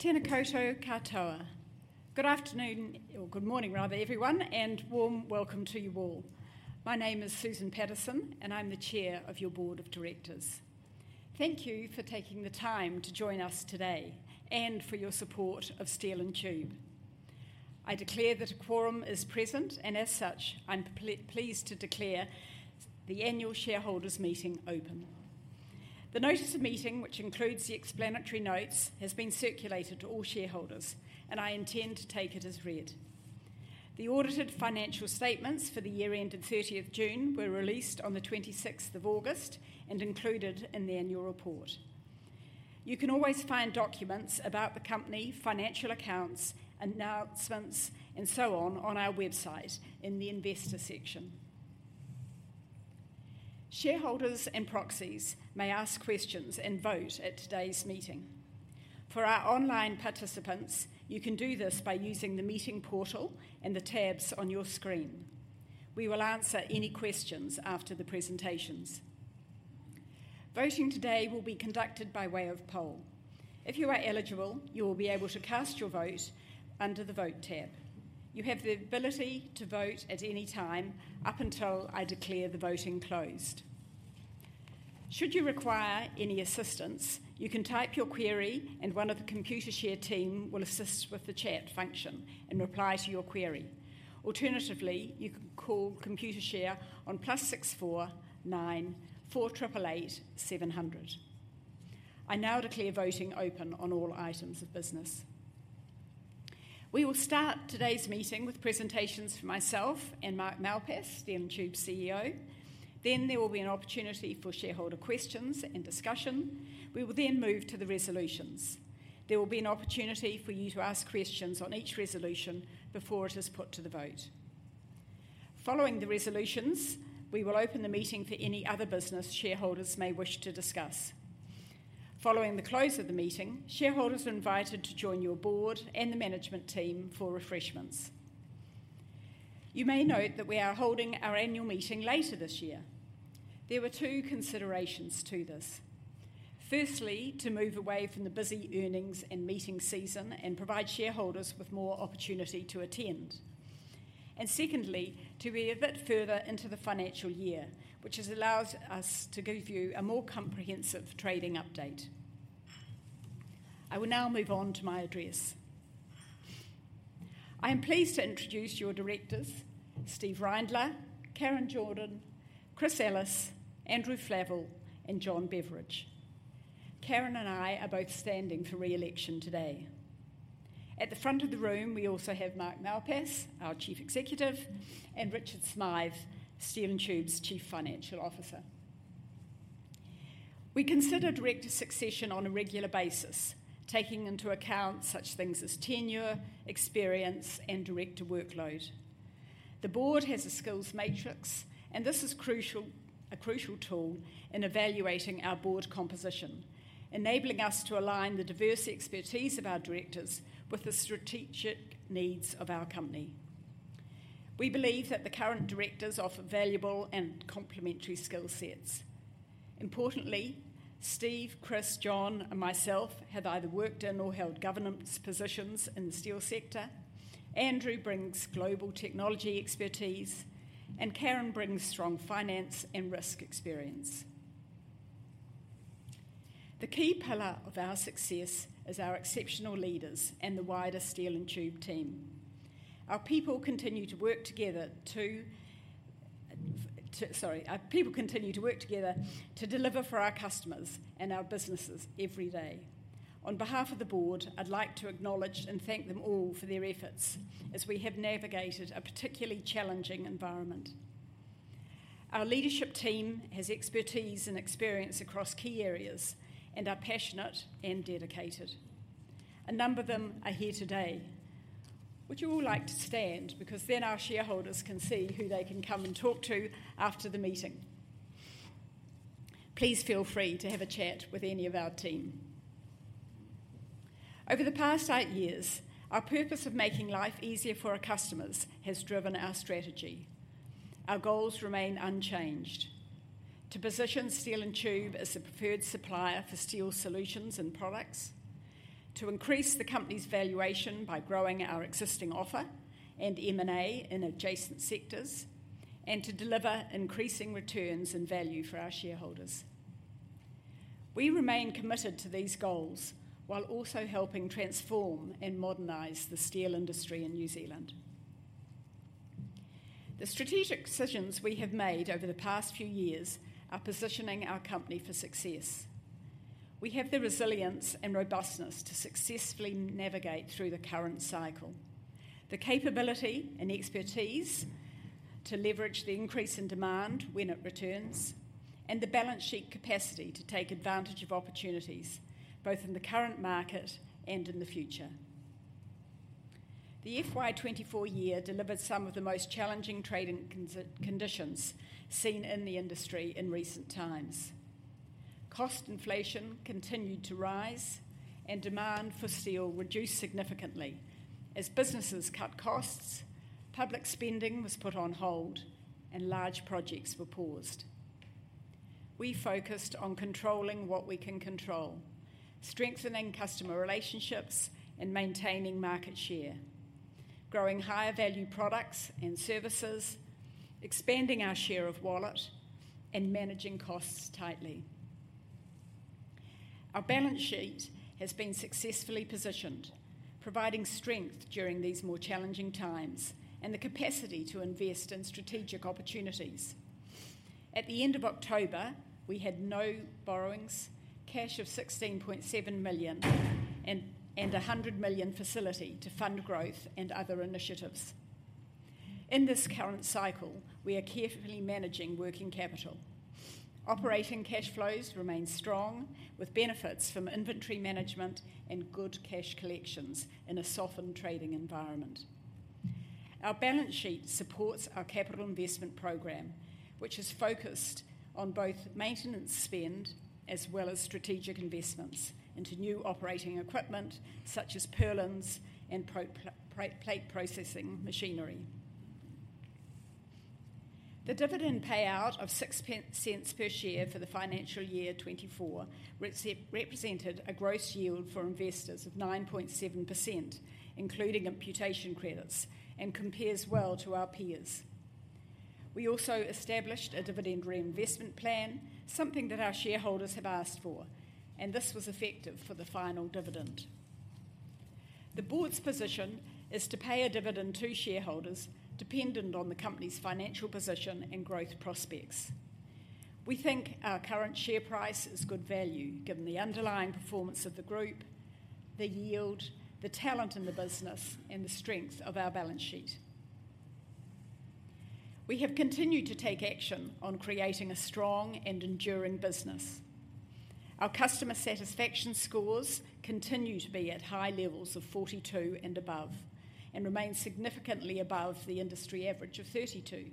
koutou katoa. Good afternoon, or good morning, rather, everyone, and warm welcome to you all. My name is Susan Paterson, and I'm the Chair of your board of directors. Thank you for taking the time to join us today and for your support of Steel & Tube. I declare that a quorum is present, and as such, I'm pleased to declare the annual shareholders' meeting open. The notice of meeting, which includes the explanatory notes, has been circulated to all shareholders, and I intend to take it as read. The audited financial statements for the year ended 30 June were released on the 26th of August and included in the annual report. You can always find documents about the company, financial accounts, announcements, and so on on our website in the investor section. Shareholders and proxies may ask questions and vote at today's meeting. For our online participants, you can do this by using the meeting portal and the tabs on your screen. We will answer any questions after the presentations. Voting today will be conducted by way of poll. If you are eligible, you will be able to cast your vote under the vote tab. You have the ability to vote at any time up until I declare the voting closed. Should you require any assistance, you can type your query, and one of the Computershare team will assist with the chat function and reply to your query. Alternatively, you can call Computershare on +64 9 4888 700. I now declare voting open on all items of business. We will start today's meeting with presentations from myself and Mark Malpass, Steel & Tube CEO. Then there will be an opportunity for shareholder questions and discussion. We will then move to the resolutions. There will be an opportunity for you to ask questions on each resolution before it is put to the vote. Following the resolutions, we will open the meeting for any other business shareholders may wish to discuss. Following the close of the meeting, shareholders are invited to join your board and the management team for refreshments. You may note that we are holding our annual meeting later this year. There were two considerations to this. Firstly, to move away from the busy earnings and meeting season and provide shareholders with more opportunity to attend, and secondly, to be a bit further into the financial year, which has allowed us to give you a more comprehensive trading update. I will now move on to my address. I am pleased to introduce your directors, Steve Reindler, Karen Jordan, Chris Ellis, Andrew Flavell, and John Beveridge. Karen and I are both standing for re-election today. At the front of the room, we also have Mark Malpass, our Chief Executive, and Richard Smyth, Steel & Tube's Chief Financial Officer. We consider director succession on a regular basis, taking into account such things as tenure, experience, and director workload. The board has a skills matrix, and this is a crucial tool in evaluating our board composition, enabling us to align the diverse expertise of our directors with the strategic needs of our company. We believe that the current directors offer valuable and complementary skill sets. Importantly, Steve, Chris, John, and myself have either worked in or held governance positions in the steel sector. Andrew brings global technology expertise, and Karen brings strong finance and risk experience. The key pillar of our success is our exceptional leaders and the wider Steel & Tube team. Our people continue to work together to deliver for our customers and our businesses every day. On behalf of the Board, I'd like to acknowledge and thank them all for their efforts as we have navigated a particularly challenging environment. Our leadership team has expertise and experience across key areas and are passionate and dedicated. A number of them are here today, which I would like to stand because then our shareholders can see who they can come and talk to after the meeting. Please feel free to have a chat with any of our team. Over the past eight years, our purpose of making life easier for our customers has driven our strategy. Our goals remain unchanged: to position Steel & Tube as the preferred supplier for steel solutions and products, to increase the company's valuation by growing our existing offer and M&A in adjacent sectors, and to deliver increasing returns and value for our shareholders. We remain committed to these goals while also helping transform and modernize the steel industry in New Zealand. The strategic decisions we have made over the past few years are positioning our company for success. We have the resilience and robustness to successfully navigate through the current cycle, the capability and expertise to leverage the increase in demand when it returns, and the balance sheet capacity to take advantage of opportunities both in the current market and in the future. The FY24 year delivered some of the most challenging trading conditions seen in the industry in recent times. Cost inflation continued to rise, and demand for steel reduced significantly as businesses cut costs, public spending was put on hold, and large projects were paused. We focused on controlling what we can control, strengthening customer relationships and maintaining market share, growing higher value products and services, expanding our share of wallet, and managing costs tightly. Our balance sheet has been successfully positioned, providing strength during these more challenging times and the capacity to invest in strategic opportunities. At the end of October, we had no borrowings, cash of 16.7 million, and a 100 million facility to fund growth and other initiatives. In this current cycle, we are carefully managing working capital. Operating cash flows remain strong, with benefits from inventory management and good cash collections in a softened trading environment. Our balance sheet supports our capital investment program, which is focused on both maintenance spend as well as strategic investments into new operating equipment such as purlins and plate processing machinery. The dividend payout of 0.06 per share for the financial year 2024 represented a gross yield for investors of 9.7%, including imputation credits, and compares well to our peers. We also established a dividend reinvestment plan, something that our shareholders have asked for, and this was effective for the final dividend. The board's position is to pay a dividend to shareholders dependent on the company's financial position and growth prospects. We think our current share price is good value given the underlying performance of the group, the yield, the talent in the business, and the strength of our balance sheet. We have continued to take action on creating a strong and enduring business. Our customer satisfaction scores continue to be at high levels of 42 and above and remain significantly above the industry average of 32.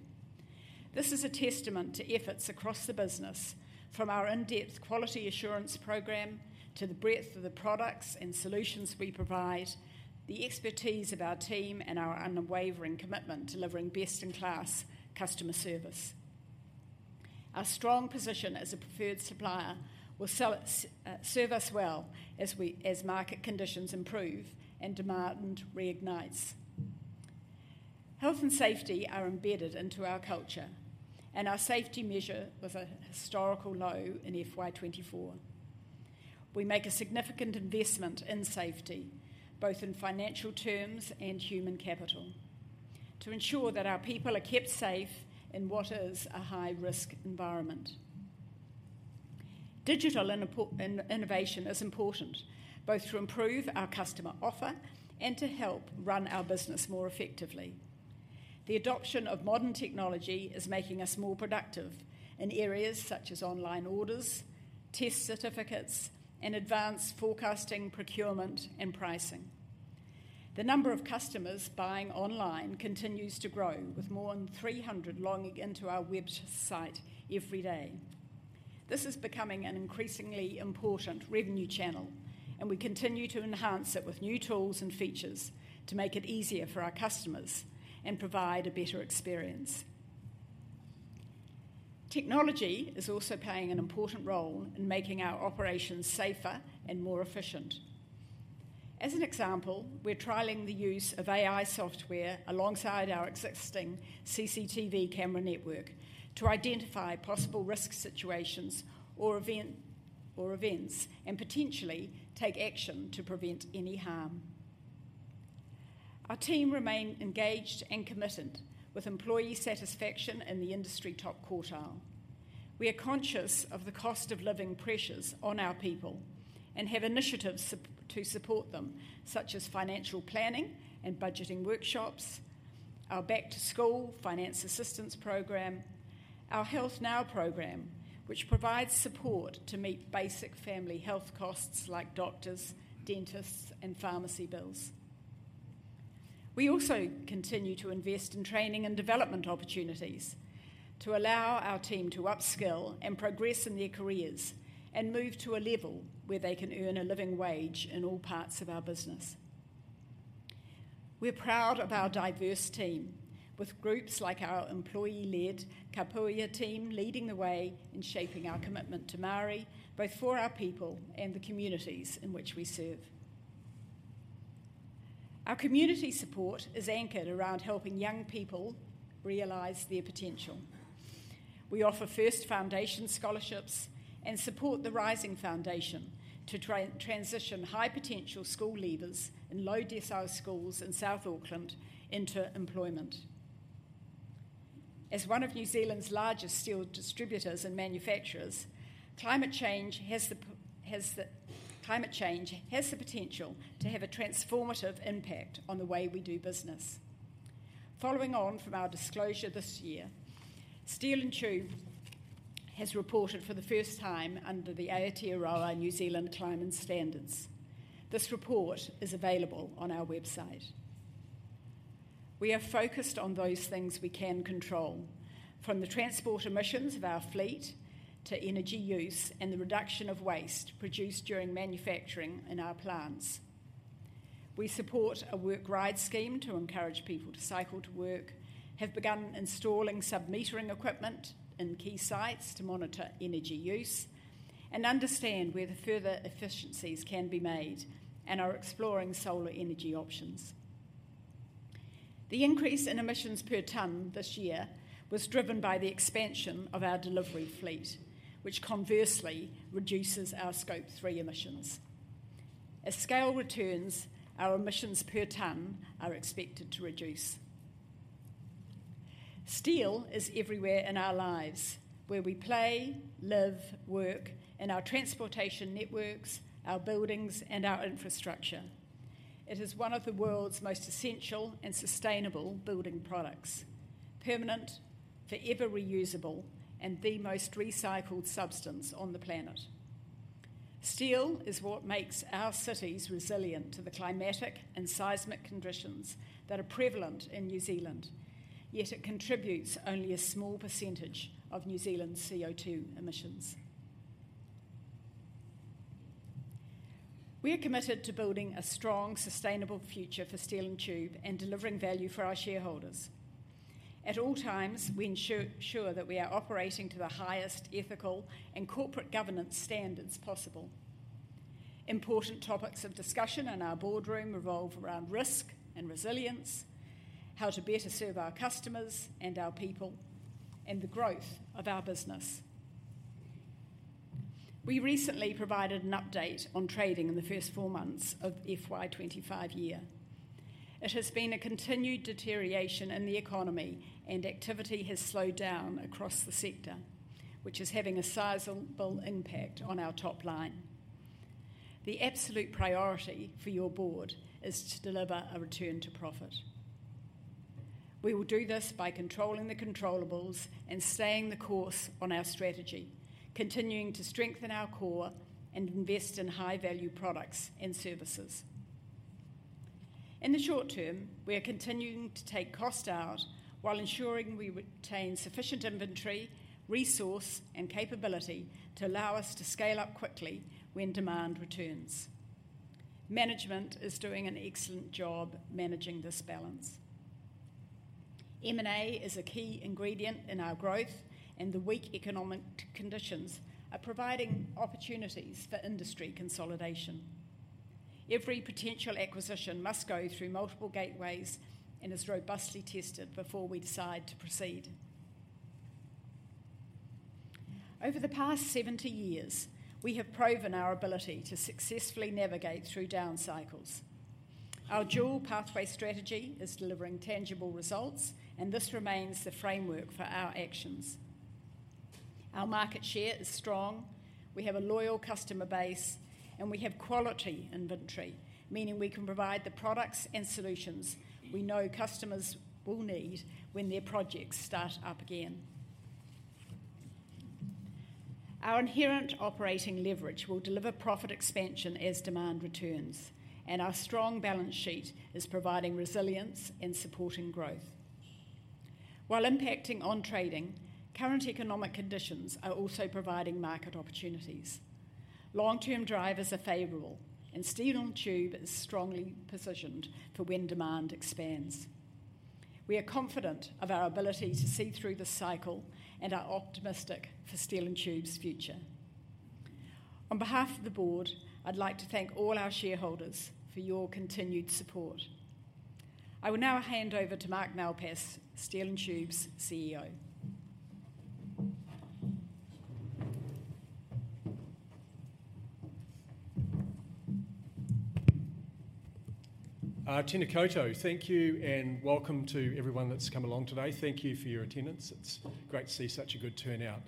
This is a testament to efforts across the business, from our in-depth quality assurance program to the breadth of the products and solutions we provide, the expertise of our team, and our unwavering commitment to delivering best-in-class customer service. Our strong position as a preferred supplier will serve us well as market conditions improve and demand reignites. Health and safety are embedded into our culture, and our safety measure was a historical low in FY24. We make a significant investment in safety, both in financial terms and human capital, to ensure that our people are kept safe in what is a high-risk environment. Digital innovation is important both to improve our customer offer and to help run our business more effectively. The adoption of modern technology is making us more productive in areas such as online orders, test certificates, and advanced forecasting, procurement, and pricing. The number of customers buying online continues to grow, with more than 300 logging into our website every day. This is becoming an increasingly important revenue channel, and we continue to enhance it with new tools and features to make it easier for our customers and provide a better experience. Technology is also playing an important role in making our operations safer and more efficient. As an example, we're trialing the use of AI software alongside our existing CCTV camera network to identify possible risk situations or events and potentially take action to prevent any harm. Our team remains engaged and committed, with employee satisfaction in the industry top quartile. We are conscious of the cost of living pressures on our people and have initiatives to support them, such as financial planning and budgeting workshops, our back-to-school finance assistance program, our HealthNow program, which provides support to meet basic family health costs like doctors, dentists, and pharmacy bills. We also continue to invest in training and development opportunities to allow our team to upskill and progress in their careers and move to a level where they can earn a living wage in all parts of our business. We're proud of our diverse team, with groups like our employee-led Kōpūia team leading the way in shaping our commitment to Māori, both for our people and the communities in which we serve. Our community support is anchored around helping young people realize their potential. We offer First Foundation scholarships and support The Rising Foundation to transition high-potential school leaders in low-decile schools in South Auckland into employment. As one of New Zealand's largest steel distributors and manufacturers, climate change has the potential to have a transformative impact on the way we do business. Following on from our disclosure this year, Steel & Tube has reported for the first time under the Aotearoa New Zealand Climate Standards. This report is available on our website. We are focused on those things we can control, from the transport emissions of our fleet to energy use and the reduction of waste produced during manufacturing in our plants. We support a work ride scheme to encourage people to cycle to work, have begun installing submetering equipment in key sites to monitor energy use and understand where further efficiencies can be made, and are exploring solar energy options. The increase in emissions per tonne this year was driven by the expansion of our delivery fleet, which conversely reduces our Scope 3 emissions. As scale returns, our emissions per tonne are expected to reduce. Steel is everywhere in our lives, where we play, live, work, in our transportation networks, our buildings, and our infrastructure. It is one of the world's most essential and sustainable building products, permanent, forever reusable, and the most recycled substance on the planet. Steel is what makes our cities resilient to the climatic and seismic conditions that are prevalent in New Zealand, yet it contributes only a small percentage of New Zealand's CO2 emissions. We are committed to building a strong, sustainable future for Steel & Tube and delivering value for our shareholders. At all times, we ensure that we are operating to the highest ethical and corporate governance standards possible. Important topics of discussion in our boardroom revolve around risk and resilience, how to better serve our customers and our people, and the growth of our business. We recently provided an update on trading in the first four months of the FY25 year. It has been a continued deterioration in the economy, and activity has slowed down across the sector, which is having a sizable impact on our top line. The absolute priority for your board is to deliver a return to profit. We will do this by controlling the controllables and staying the course on our strategy, continuing to strengthen our core and invest in high-value products and services. In the short term, we are continuing to take cost out while ensuring we retain sufficient inventory, resource, and capability to allow us to scale up quickly when demand returns. Management is doing an excellent job managing this balance. M&A is a key ingredient in our growth, and the weak economic conditions are providing opportunities for industry consolidation. Every potential acquisition must go through multiple gateways and is robustly tested before we decide to proceed. Over the past 70 years, we have proven our ability to successfully navigate through down cycles. Our dual pathway strategy is delivering tangible results, and this remains the framework for our actions. Our market share is strong, we have a loyal customer base, and we have quality inventory, meaning we can provide the products and solutions we know customers will need when their projects start up again. Our inherent operating leverage will deliver profit expansion as demand returns, and our strong balance sheet is providing resilience and supporting growth. While impacting on trading, current economic conditions are also providing market opportunities. Long-term drivers are favorable, and Steel & Tube is strongly positioned for when demand expands. We are confident of our ability to see through this cycle and are optimistic for Steel & Tube's future. On behalf of the board, I'd like to thank all our shareholders for your continued support. I will now hand over to Mark Malpass, Steel & Tube's CEO. Tēnā koutou, thank you and welcome to everyone that's come along today. Thank you for your attendance. It's great to see such a good turnout.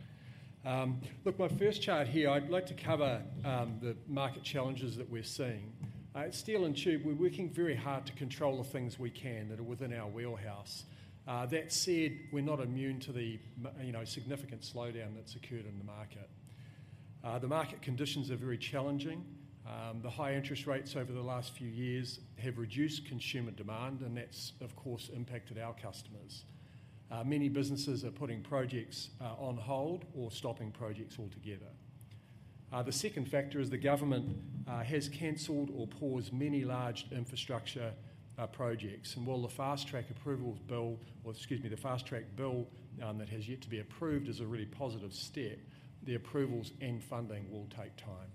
Look, my first chart here, I'd like to cover the market challenges that we're seeing. At Steel & Tube, we're working very hard to control the things we can that are within our wheelhouse. That said, we're not immune to the significant slowdown that's occurred in the market. The market conditions are very challenging. The high interest rates over the last few years have reduced consumer demand, and that's, of course, impacted our customers. Many businesses are putting projects on hold or stopping projects altogether. The second factor is the government has cancelled or paused many large infrastructure projects, and while the Fast-track Approvals Bill, or excuse me, the Fast-track Bill that has yet to be approved is a really positive step, the approvals and funding will take time,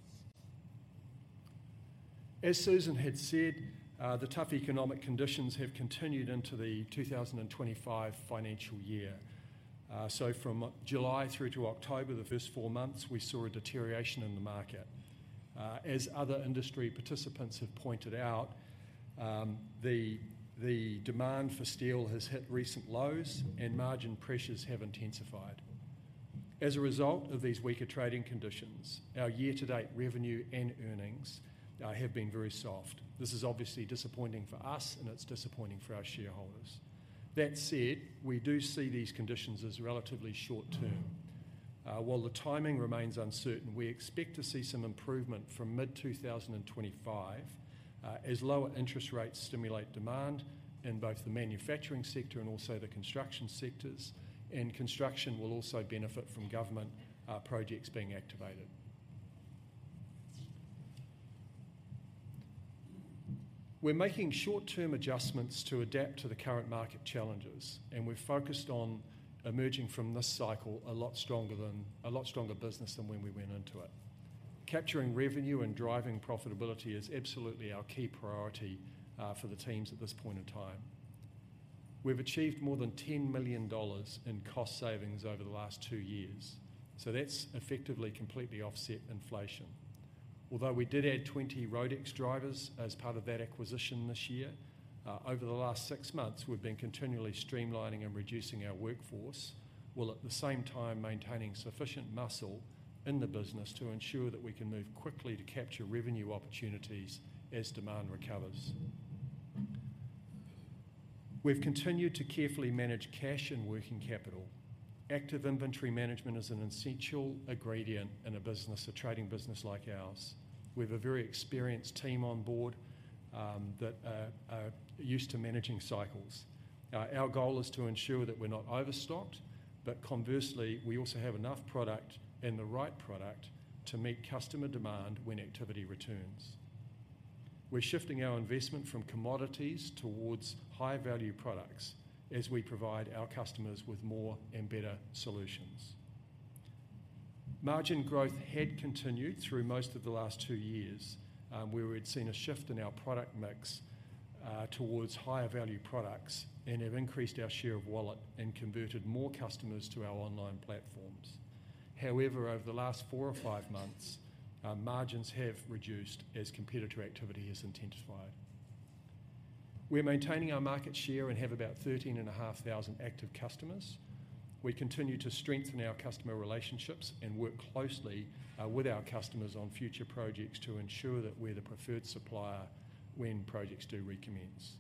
as Susan had said, the tough economic conditions have continued into the 2025 financial year, so from July through to October, the first four months, we saw a deterioration in the market. As other industry participants have pointed out, the demand for steel has hit recent lows and margin pressures have intensified. As a result of these weaker trading conditions, our year-to-date revenue and earnings have been very soft. This is obviously disappointing for us, and it's disappointing for our shareholders. That said, we do see these conditions as relatively short-term. While the timing remains uncertain, we expect to see some improvement from mid-2025 as lower interest rates stimulate demand in both the manufacturing sector and also the construction sectors, and construction will also benefit from government projects being activated. We're making short-term adjustments to adapt to the current market challenges, and we're focused on emerging from this cycle a lot stronger business than when we went into it. Capturing revenue and driving profitability is absolutely our key priority for the teams at this point in time. We've achieved more than 10 million dollars in cost savings over the last two years, so that's effectively completely offset inflation. Although we did add 20 Roadex drivers as part of that acquisition this year, over the last six months, we've been continually streamlining and reducing our workforce while at the same time maintaining sufficient muscle in the business to ensure that we can move quickly to capture revenue opportunities as demand recovers. We've continued to carefully manage cash and working capital. Active inventory management is an essential ingredient in a trading business like ours. We have a very experienced team on board that are used to managing cycles. Our goal is to ensure that we're not overstocked, but conversely, we also have enough product and the right product to meet customer demand when activity returns. We're shifting our investment from commodities towards high-value products as we provide our customers with more and better solutions. Margin growth had continued through most of the last two years, where we'd seen a shift in our product mix towards higher value products and have increased our share of wallet and converted more customers to our online platforms. However, over the last four or five months, margins have reduced as competitor activity has intensified. We're maintaining our market share and have about 13,500 active customers. We continue to strengthen our customer relationships and work closely with our customers on future projects to ensure that we're the preferred supplier when projects do recommence.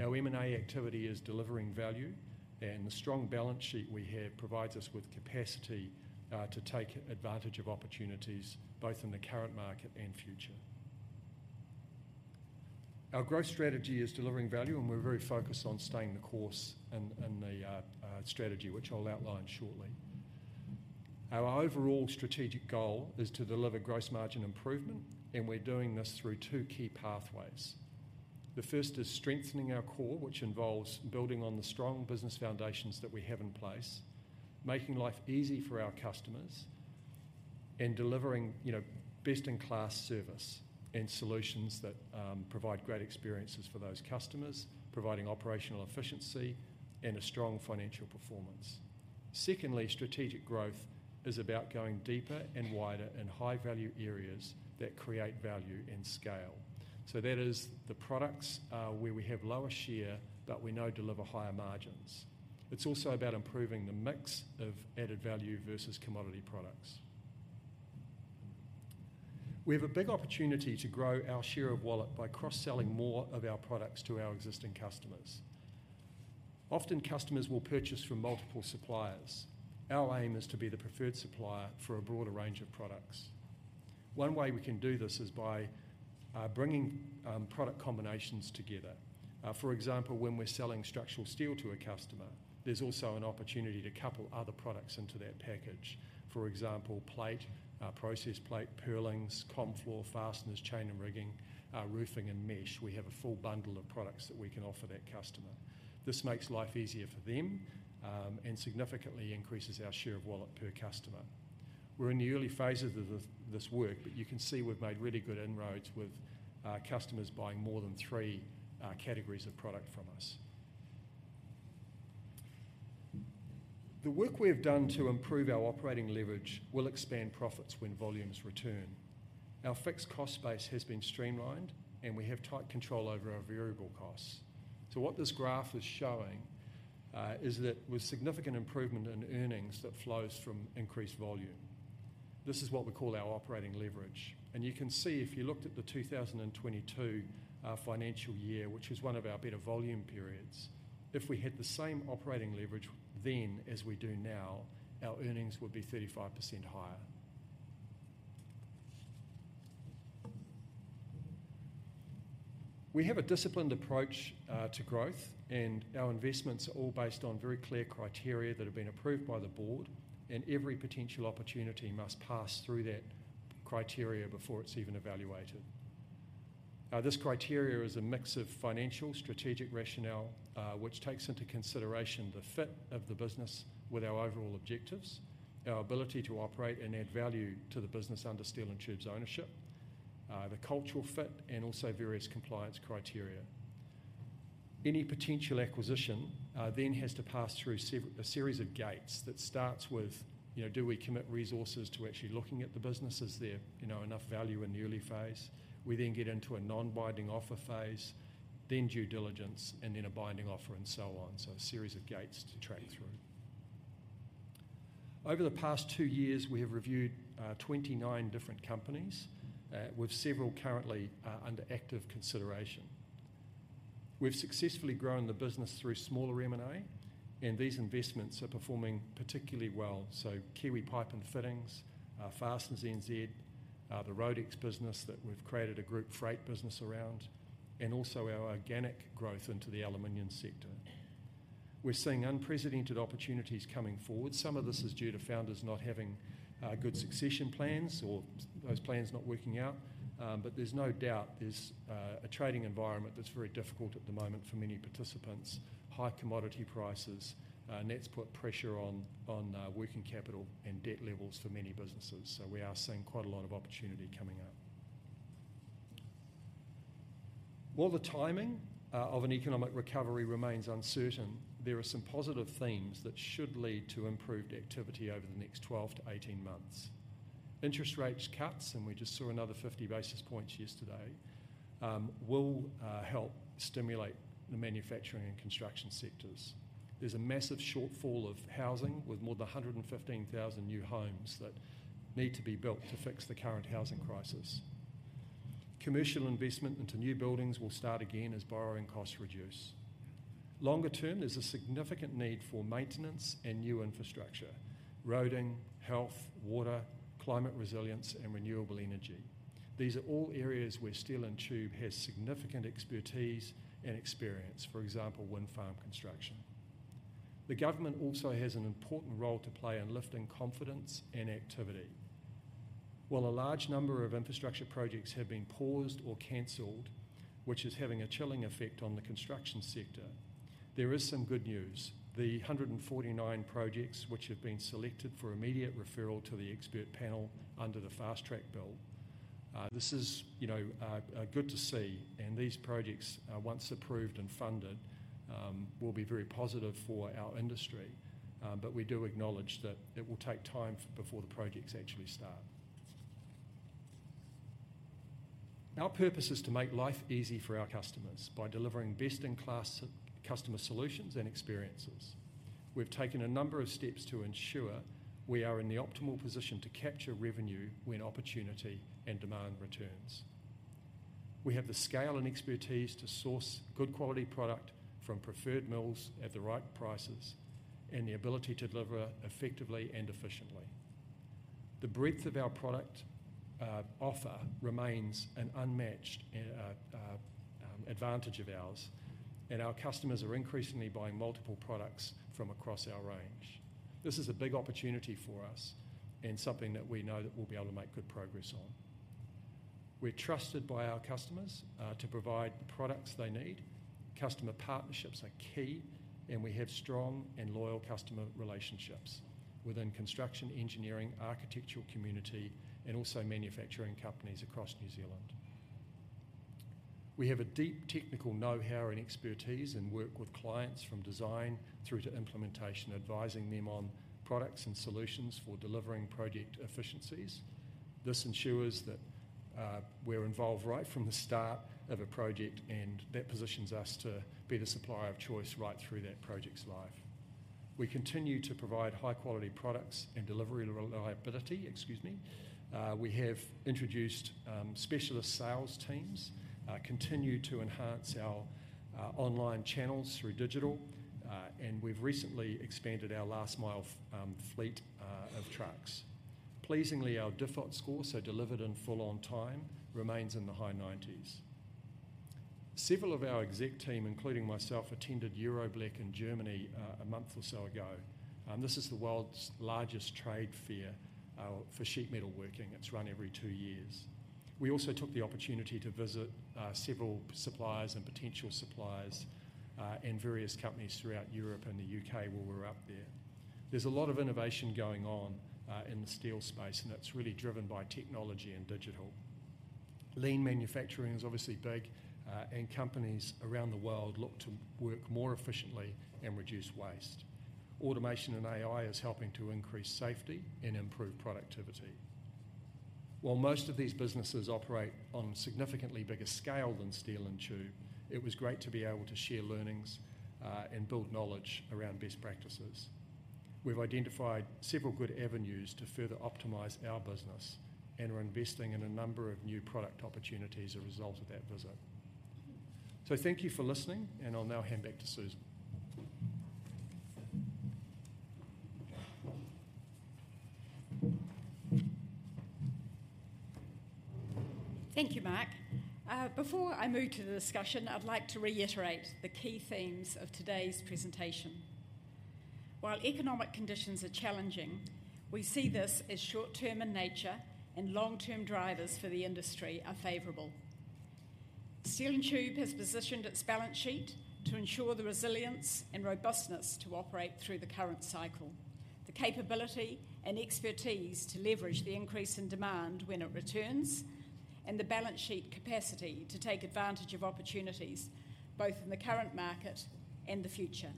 Our M&A activity is delivering value, and the strong balance sheet we have provides us with capacity to take advantage of opportunities both in the current market and future. Our growth strategy is delivering value, and we're very focused on staying the course in the strategy, which I'll outline shortly. Our overall strategic goal is to deliver gross margin improvement, and we're doing this through two key pathways. The first is strengthening our core, which involves building on the strong business foundations that we have in place, making life easy for our customers, and delivering best-in-class service and solutions that provide great experiences for those customers, providing operational efficiency and a strong financial performance. Secondly, strategic growth is about going deeper and wider in high-value areas that create value and scale. So that is the products where we have lower share, but we now deliver higher margins. It's also about improving the mix of added value versus commodity products. We have a big opportunity to grow our share of wallet by cross-selling more of our products to our existing customers. Often, customers will purchase from multiple suppliers. Our aim is to be the preferred supplier for a broader range of products. One way we can do this is by bringing product combinations together. For example, when we're selling structural steel to a customer, there's also an opportunity to couple other products into that package. For example, plate, processed plate, purlins, ComFlor, fasteners, chain and rigging, roofing, and mesh. We have a full bundle of products that we can offer that customer. This makes life easier for them and significantly increases our share of wallet per customer. We're in the early phases of this work, but you can see we've made really good inroads with customers buying more than three categories of product from us. The work we have done to improve our operating leverage will expand profits when volumes return. Our fixed cost base has been streamlined, and we have tight control over our variable costs. So what this graph is showing is that with significant improvement in earnings that flows from increased volume. This is what we call our operating leverage. And you can see if you looked at the 2022 financial year, which was one of our better volume periods, if we had the same operating leverage then as we do now, our earnings would be 35% higher. We have a disciplined approach to growth, and our investments are all based on very clear criteria that have been approved by the board, and every potential opportunity must pass through that criteria before it's even evaluated. This criteria is a mix of financial, strategic rationale, which takes into consideration the fit of the business with our overall objectives, our ability to operate and add value to the business under Steel & Tube's ownership, the cultural fit, and also various compliance criteria. Any potential acquisition then has to pass through a series of gates that starts with, do we commit resources to actually looking at the businesses that have enough value in the early phase? We then get into a non-binding offer phase, then due diligence, and then a binding offer, and so on. So a series of gates to track through. Over the past two years, we have reviewed 29 different companies, with several currently under active consideration. We've successfully grown the business through smaller M&A, and these investments are performing particularly well. So Kiwi Pipe and Fittings, Fasteners NZ, the Roadex business that we've created a group freight business around, and also our organic growth into the aluminum sector. We're seeing unprecedented opportunities coming forward. Some of this is due to founders not having good succession plans or those plans not working out. But there's no doubt there's a trading environment that's very difficult at the moment for many participants. High commodity prices and that's put pressure on working capital and debt levels for many businesses. So we are seeing quite a lot of opportunity coming up. While the timing of an economic recovery remains uncertain, there are some positive themes that should lead to improved activity over the next 12-18 months. Interest rates cuts, and we just saw another 50 basis points yesterday, will help stimulate the manufacturing and construction sectors. There's a massive shortfall of housing with more than 115,000 new homes that need to be built to fix the current housing crisis. Commercial investment into new buildings will start again as borrowing costs reduce. Longer term, there's a significant need for maintenance and new infrastructure: roading, health, water, climate resilience, and renewable energy. These are all areas where Steel & Tube has significant expertise and experience, for example, wind farm construction. The government also has an important role to play in lifting confidence and activity. While a large number of infrastructure projects have been paused or cancelled, which is having a chilling effect on the construction sector, there is some good news. The 149 projects which have been selected for immediate referral to the expert panel under the Fast-track Approvals Bill, this is good to see and these projects, once approved and funded, will be very positive for our industry, but we do acknowledge that it will take time before the projects actually start. Our purpose is to make life easy for our customers by delivering best-in-class customer solutions and experiences. We've taken a number of steps to ensure we are in the optimal position to capture revenue when opportunity and demand returns. We have the scale and expertise to source good quality product from preferred mills at the right prices and the ability to deliver effectively and efficiently. The breadth of our product offer remains an unmatched advantage of ours, and our customers are increasingly buying multiple products from across our range. This is a big opportunity for us and something that we know that we'll be able to make good progress on. We're trusted by our customers to provide the products they need. Customer partnerships are key, and we have strong and loyal customer relationships within construction, engineering, architectural community, and also manufacturing companies across New Zealand. We have a deep technical know-how and expertise and work with clients from design through to implementation, advising them on products and solutions for delivering project efficiencies. This ensures that we're involved right from the start of a project, and that positions us to be the supplier of choice right through that project's life. We continue to provide high-quality products and delivery reliability. Excuse me. We have introduced specialist sales teams, continued to enhance our online channels through digital, and we've recently expanded our last-mile fleet of trucks. Pleasingly, our default score, so delivered in full on time, remains in the high 90s. Several of our exec team, including myself, attended EuroBLECH in Germany a month or so ago. This is the world's largest trade fair for sheet metal working. It's run every two years. We also took the opportunity to visit several suppliers and potential suppliers and various companies throughout Europe and the U.K. while we were up there. There's a lot of innovation going on in the steel space, and it's really driven by technology and digital. Lean manufacturing is obviously big, and companies around the world look to work more efficiently and reduce waste. Automation and AI are helping to increase safety and improve productivity. While most of these businesses operate on significantly bigger scale than Steel & Tube, it was great to be able to share learnings and build knowledge around best practices. We've identified several good avenues to further optimize our business and are investing in a number of new product opportunities as a result of that visit. So thank you for listening, and I'll now hand back to Susan. Thank you, Mark. Before I move to the discussion, I'd like to reiterate the key themes of today's presentation. While economic conditions are challenging, we see this as short-term in nature, and long-term drivers for the industry are favorable. Steel & Tube has positioned its balance sheet to ensure the resilience and robustness to operate through the current cycle, the capability and expertise to leverage the increase in demand when it returns, and the balance sheet capacity to take advantage of opportunities both in the current market and the future.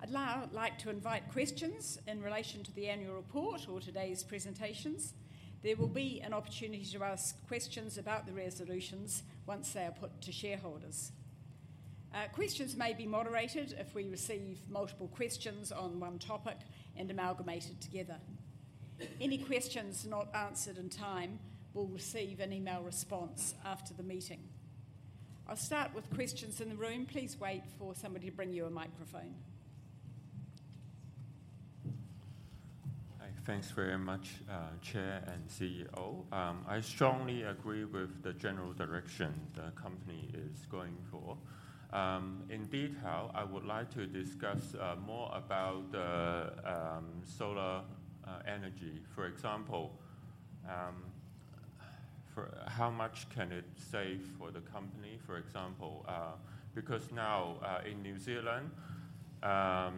I'd now like to invite questions in relation to the annual report or today's presentations. There will be an opportunity to ask questions about the resolutions once they are put to shareholders. Questions may be moderated if we receive multiple questions on one topic and amalgamated together. Any questions not answered in time will receive an email response after the meeting. I'll start with questions in the room. Please wait for somebody to bring you a microphone. Thanks very much, Chair and CEO. I strongly agree with the general direction the company is going for. In detail, I would like to discuss more about solar energy. For example, how much can it save for the company, for example? Because now in New Zealand,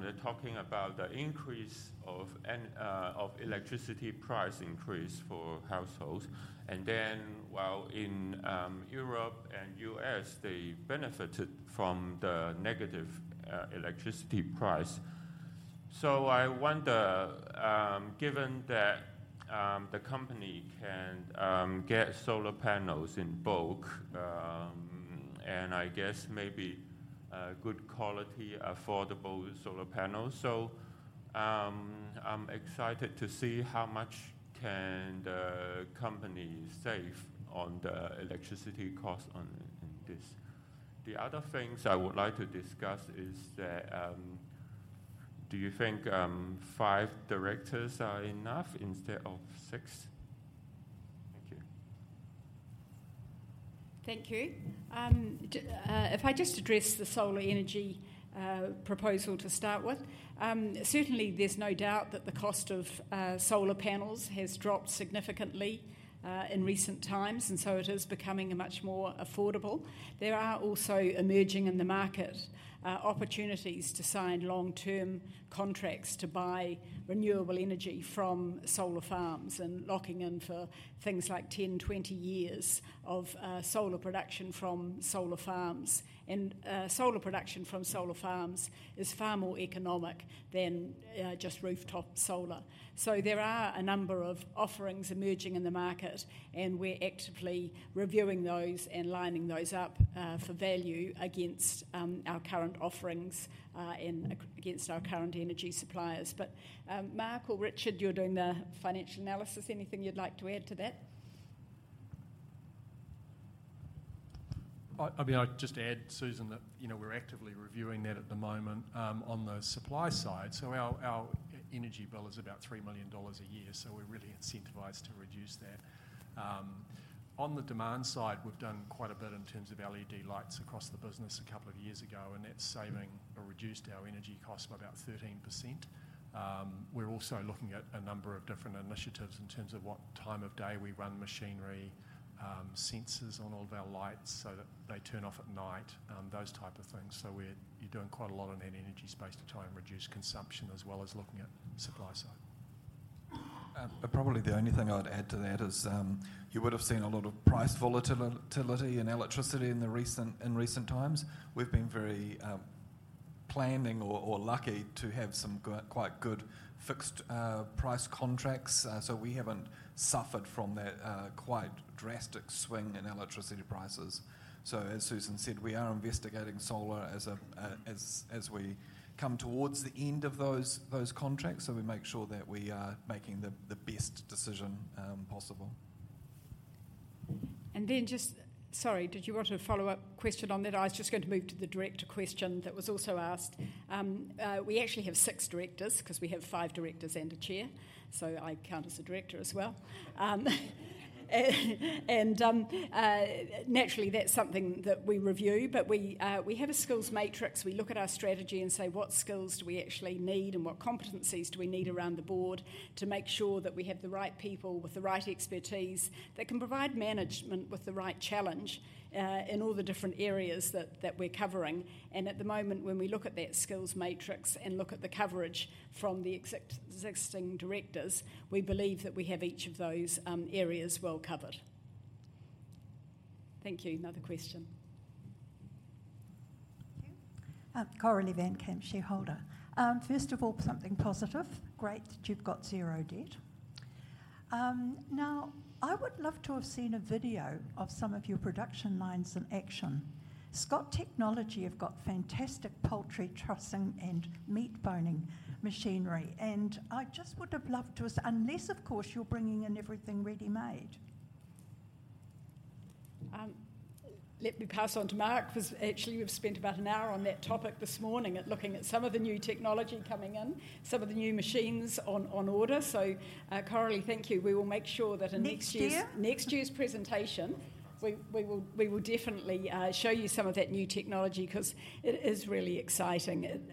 they're talking about the increase of electricity price increase for households, and then while in Europe and U.S., they benefited from the negative electricity price. So I wonder, given that the company can get solar panels in bulk and I guess maybe good quality, affordable solar panels, so I'm excited to see how much can the company save on the electricity cost in this. The other things I would like to discuss is that do you think five directors are enough instead of six? Thank you. Thank you. If I just address the solar energy proposal to start with, certainly there's no doubt that the cost of solar panels has dropped significantly in recent times, and so it is becoming much more affordable. There are also emerging in the market opportunities to sign long-term contracts to buy renewable energy from solar farms and locking in for things like 10, 20 years of solar production from solar farms, and solar production from solar farms is far more economic than just rooftop solar, so there are a number of offerings emerging in the market, and we're actively reviewing those and lining those up for value against our current offerings and against our current energy suppliers, but Mark or Richard, you're doing the financial analysis. Anything you'd like to add to that? I mean, I'd just add, Susan, that we're actively reviewing that at the moment on the supply side. So our energy bill is about 3 million dollars a year, so we're really incentivized to reduce that. On the demand side, we've done quite a bit in terms of LED lights across the business a couple of years ago, and that's saving or reduced our energy costs by about 13%. We're also looking at a number of different initiatives in terms of what time of day we run machinery, sensors on all of our lights so that they turn off at night, those type of things. So we're doing quite a lot in that energy space to try and reduce consumption as well as looking at supply side. Probably the only thing I'd add to that is you would have seen a lot of price volatility in electricity in recent times. We've been very fortunate or lucky to have some quite good fixed price contracts, so we haven't suffered from that quite drastic swing in electricity prices. So as Susan said, we are investigating solar as we come towards the end of those contracts, so we make sure that we are making the best decision possible. And then just, sorry, did you want a follow-up question on that? I was just going to move to the director question that was also asked. We actually have six directors because we have five directors and a chair, so I count as a director as well. And naturally, that's something that we review, but we have a skills matrix. We look at our strategy and say, what skills do we actually need and what competencies do we need around the board to make sure that we have the right people with the right expertise that can provide management with the right challenge in all the different areas that we're covering. And at the moment, when we look at that skills matrix and look at the coverage from the existing directors, we believe that we have each of those areas well covered. Thank you. Another question. Thank you. Corinne Evain Kemp, shareholder. First of all, something positive. Great that you've got zero debt. Now, I would love to have seen a video of some of your production lines in action. Scott Technology have got fantastic poultry trussing and meat boning machinery, and I just would have loved to, unless of course you're bringing in everything ready-made. Let me pass on to Mark, because actually we've spent about an hour on that topic this morning and looking at some of the new technology coming in, some of the new machines on order. So Karen, thank you. We will make sure that in next year's presentation, we will definitely show you some of that new technology because it is really exciting.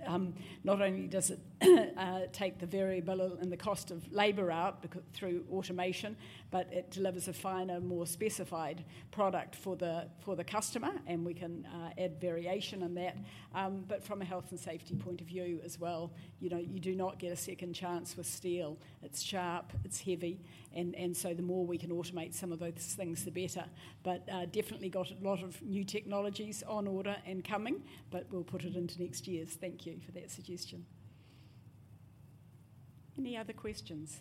Not only does it take the variability and the cost of labor out through automation, but it delivers a finer, more specified product for the customer, and we can add variation in that. But from a health and safety point of view as well, you do not get a second chance with steel. It's sharp, it's heavy, and so the more we can automate some of those things, the better. But definitely got a lot of new technologies on order and coming, but we'll put it into next year's. Thank you for that suggestion. Any other questions?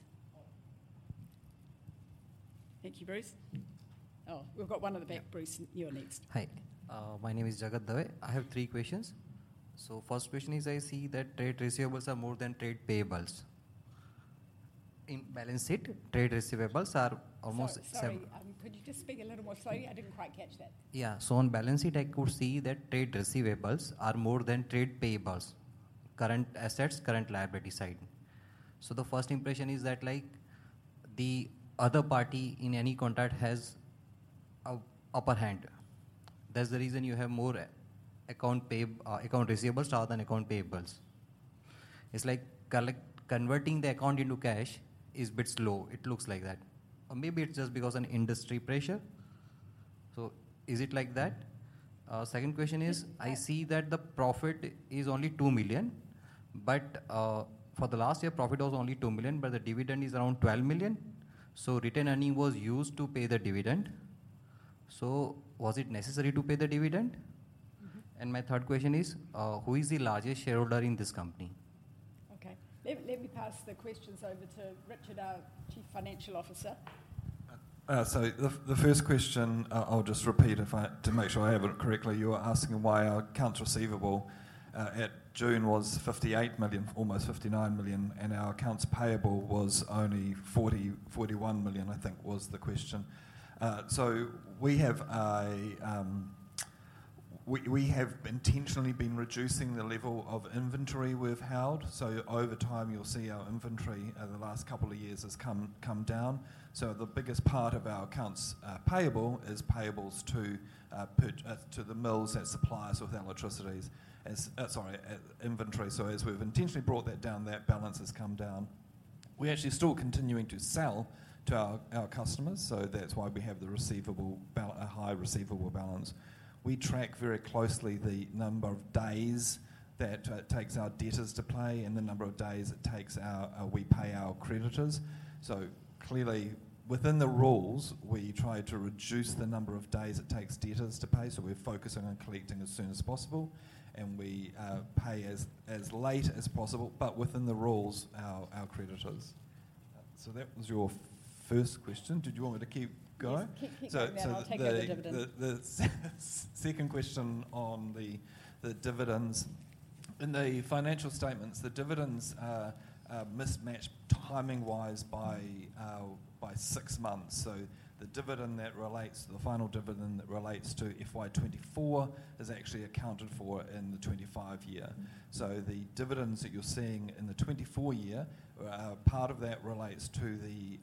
Thank you, Bruce. Oh, we've got one at the back. Bruce, you're next. Hi. My name is Jagat Dave. I have three questions. So first question is I see that trade receivables are more than trade payables. In balance sheet, trade receivables are almost. Sorry, could you just speak a little more slowly? I didn't quite catch that. Yeah. So on balance sheet, I could see that trade receivables are more than trade payables, current assets, current liability side. So the first impression is that the other party in any contract has upper hand. That's the reason you have more account receivables rather than account payables. It's like converting the account into cash is a bit slow. It looks like that. Or maybe it's just because of industry pressure. So is it like that? Second question is I see that the profit is only 2 million, but for the last year, profit was only 2 million, but the dividend is around 12 million. So retained earning was used to pay the dividend. So was it necessary to pay the dividend? And my third question is who is the largest shareholder in this company? Okay. Let me pass the questions over to Richard, our Chief Financial Officer. So the first question, I'll just repeat to make sure I have it correctly. You were asking why our accounts receivable at June was 58 million, almost 59 million, and our accounts payable was only 41 million, I think was the question. So we have intentionally been reducing the level of inventory we've held. So over time, you'll see our inventory over the last couple of years has come down. So the biggest part of our accounts payable is payables to the mills that supply us with inventory. Sorry, electricity. So as we've intentionally brought that down, that balance has come down. We're actually still continuing to sell to our customers, so that's why we have the high receivable balance. We track very closely the number of days that it takes our debtors to pay and the number of days it takes we pay our creditors. So clearly, within the rules, we try to reduce the number of days it takes debtors to pay, so we're focusing on collecting as soon as possible, and we pay as late as possible, but within the rules, our creditors. So that was your first question. Did you want me to keep going? Keep going. I'll take over the dividends. The second question on the dividends. In the financial statements, the dividends are mismatched timing-wise by six months. So the dividend that relates to the final dividend that relates to FY24 is actually accounted for in the 2025 year. So the dividends that you're seeing in the 2024 year, part of that relates to the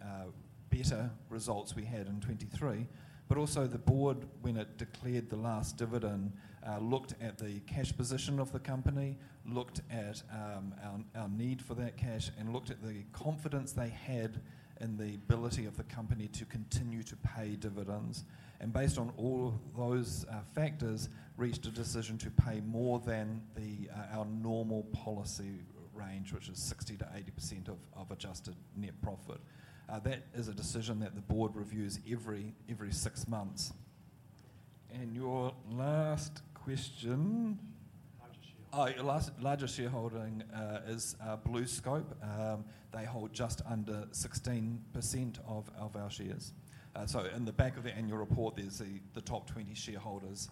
better results we had in 2023, but also the board, when it declared the last dividend, looked at the cash position of the company, looked at our need for that cash, and looked at the confidence they had in the ability of the company to continue to pay dividends. And based on all of those factors, reached a decision to pay more than our normal policy range, which is 60%-80% of adjusted net profit. That is a decision that the board reviews every six months. And your last question. Larger shareholding. Larger shareholding is BlueScope. They hold just under 16% of our shares. So in the back of the annual report, there's the top 20 shareholders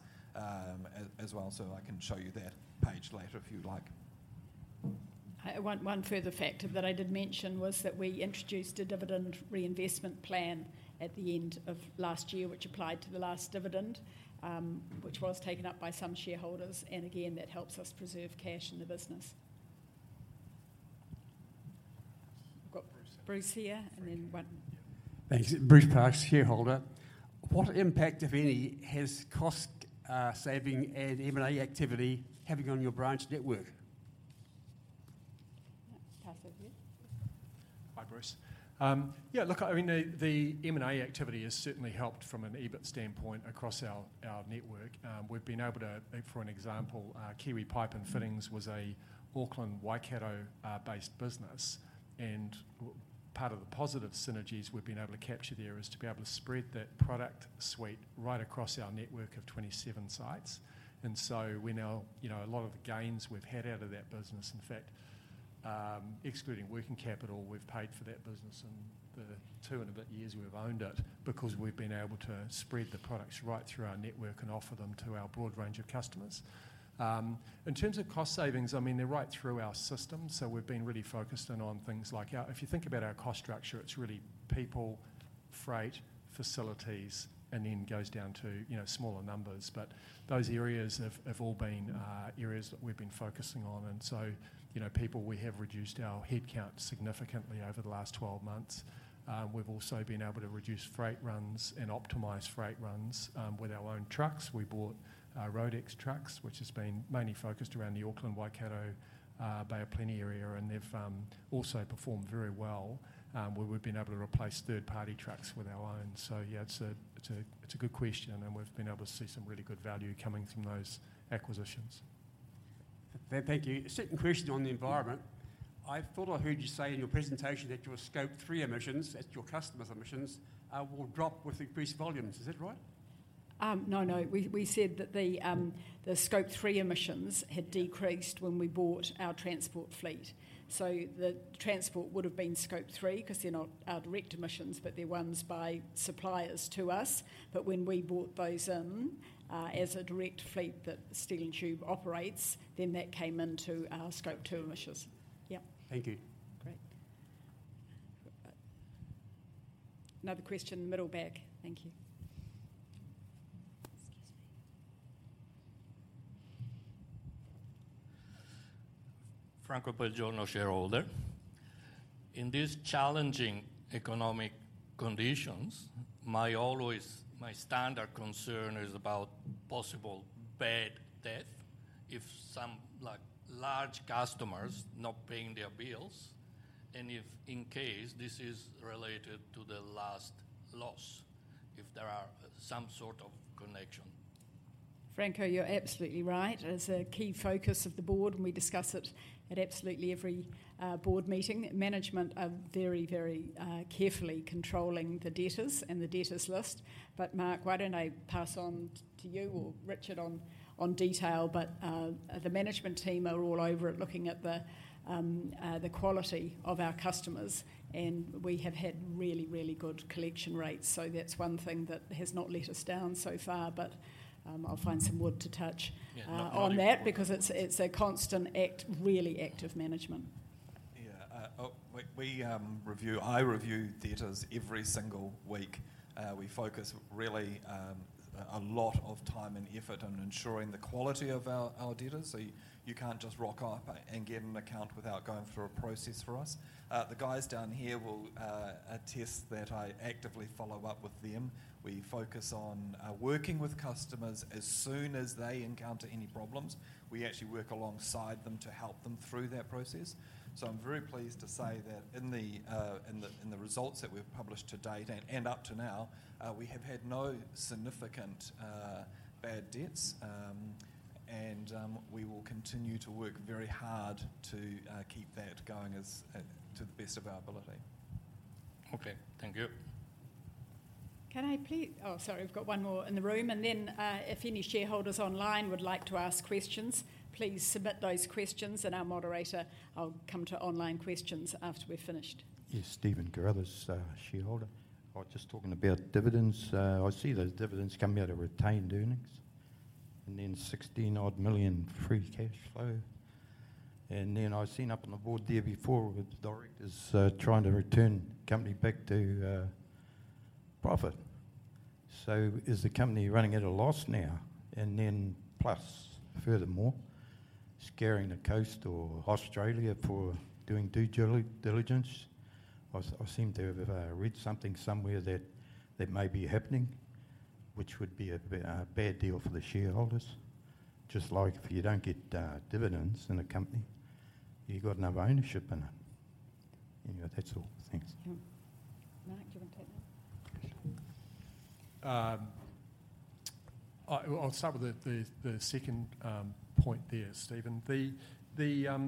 as well, so I can show you that page later if you'd like. One further factor that I did mention was that we introduced a Dividend Reinvestment Plan at the end of last year, which applied to the last dividend, which was taken up by some shareholders, and again, that helps us preserve cash in the business. We've got Bruce here and then one. Thanks. Bruce Parks, shareholder. What impact, if any, has cost saving and M&A activity having on your branch network? Pass over. Hi, Bruce. Yeah, look, I mean, the M&A activity has certainly helped from an EBIT standpoint across our network. We've been able to, for an example, Kiwi Pipe and Fittings was an Auckland Waikato-based business. And part of the positive synergies we've been able to capture there is to be able to spread that product suite right across our network of 27 sites. And so we know a lot of the gains we've had out of that business, in fact, excluding working capital, we've paid for that business in the two and a bit years we've owned it because we've been able to spread the products right through our network and offer them to our broad range of customers. In terms of cost savings, I mean, they're right through our system, so we've been really focused in on things like our, if you think about our cost structure, it's really people, freight, facilities, and then goes down to smaller numbers. But those areas have all been areas that we've been focusing on. And so people, we have reduced our headcount significantly over the last 12 months. We've also been able to reduce freight runs and optimize freight runs with our own trucks. We bought Roadex trucks, which has been mainly focused around the Auckland, Waikato, Bay of Plenty area, and they've also performed very well. We've been able to replace third-party trucks with our own. So yeah, it's a good question, and we've been able to see some really good value coming from those acquisitions. Thank you. Second question on the environment. I thought I heard you say in your presentation that your Scope 3 emissions, that's your customers' emissions, will drop with increased volumes. Is that right? No, no. We said that the Scope 3 emissions had decreased when we bought our transport fleet. So the transport would have been Scope 3 because they're not our direct emissions, but they're ones by suppliers to us. But when we bought those in as a direct fleet that Steel & Tube operates, then that came into our Scope 2 emissions. Yeah. Thank you. Great. Another question, middle back. Thank you. Franco Pellegrino, shareholder. In these challenging economic conditions, my standard concern is about possible bad debt if some large customers not paying their bills and if in case this is related to the last loss, if there are some sort of connection. Franco, you're absolutely right. It's a key focus of the board, and we discuss it at absolutely every board meeting. Management are very, very carefully controlling the debtors and the debtors list. But Mark, why don't I pass on to you or Richard on detail, but the management team are all over it looking at the quality of our customers, and we have had really, really good collection rates. So that's one thing that has not let us down so far, but I'll find some wood to touch on that because it's a constant, really active management. Yeah. I review debtors every single week. We focus really a lot of time and effort on ensuring the quality of our debtors, so you can't just rock up and get an account without going through a process for us. The guys down here will attest that I actively follow up with them. We focus on working with customers as soon as they encounter any problems. We actually work alongside them to help them through that process. So I'm very pleased to say that in the results that we've published to date and up to now, we have had no significant bad debts, and we will continue to work very hard to keep that going to the best of our ability. Okay. Thank you. Can I please oh, sorry, we've got one more in the room. And then if any shareholders online would like to ask questions, please submit those questions, and our moderator, I'll come to online questions after we're finished. Yes, Stephen Carruthers, shareholder. I was just talking about dividends. I see those dividends coming out of retained earnings and then 16 million free cash flow. And then I've seen up on the board there before with directors trying to return the company back to profit. So is the company running at a loss now? And then plus furthermore, scoping the coast or Australia for doing due diligence. I seem to have read something somewhere that may be happening, which would be a bad deal for the shareholders. Just like if you don't get dividends in a company, you've got no ownership in it. Anyway, that's all. Thanks. Mark, do you want to take that? I'll start with the second point there, Stephen.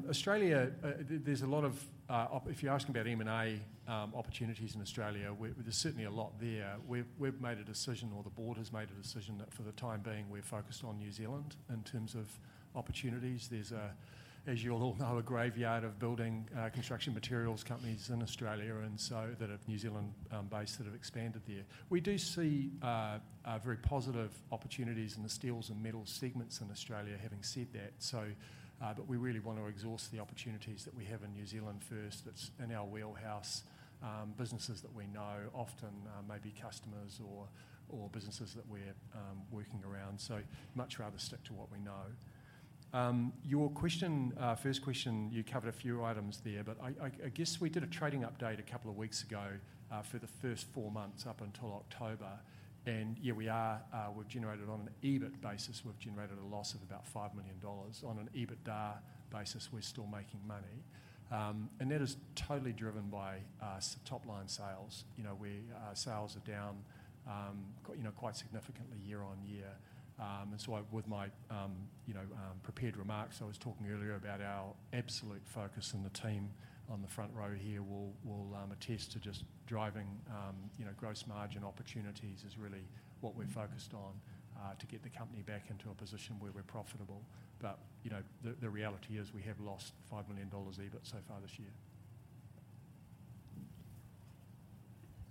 Australia, there's a lot. If you're asking about M&A opportunities in Australia, there's certainly a lot there. We've made a decision, or the board has made a decision, that for the time being, we're focused on New Zealand in terms of opportunities. There's, as you all know, a graveyard of building construction materials companies in Australia and so that are New Zealand-based that have expanded there. We do see very positive opportunities in the steels and metal segments in Australia, having said that. But we really want to exhaust the opportunities that we have in New Zealand first. It's in our wheelhouse. Businesses that we know often may be customers or businesses that we're working around. So much rather stick to what we know. Your first question, you covered a few items there, but I guess we did a trading update a couple of weeks ago for the first four months up until October, and yeah, we've generated on an EBIT basis, we've generated a loss of about 5 million dollars. On an EBITDA basis, we're still making money, and that is totally driven by top-line sales. Our sales are down quite significantly year on year, and so with my prepared remarks, I was talking earlier about our absolute focus and the team on the front row here will attest to just driving gross margin opportunities is really what we're focused on to get the company back into a position where we're profitable. But the reality is we have lost 5 million dollars EBIT so far this year.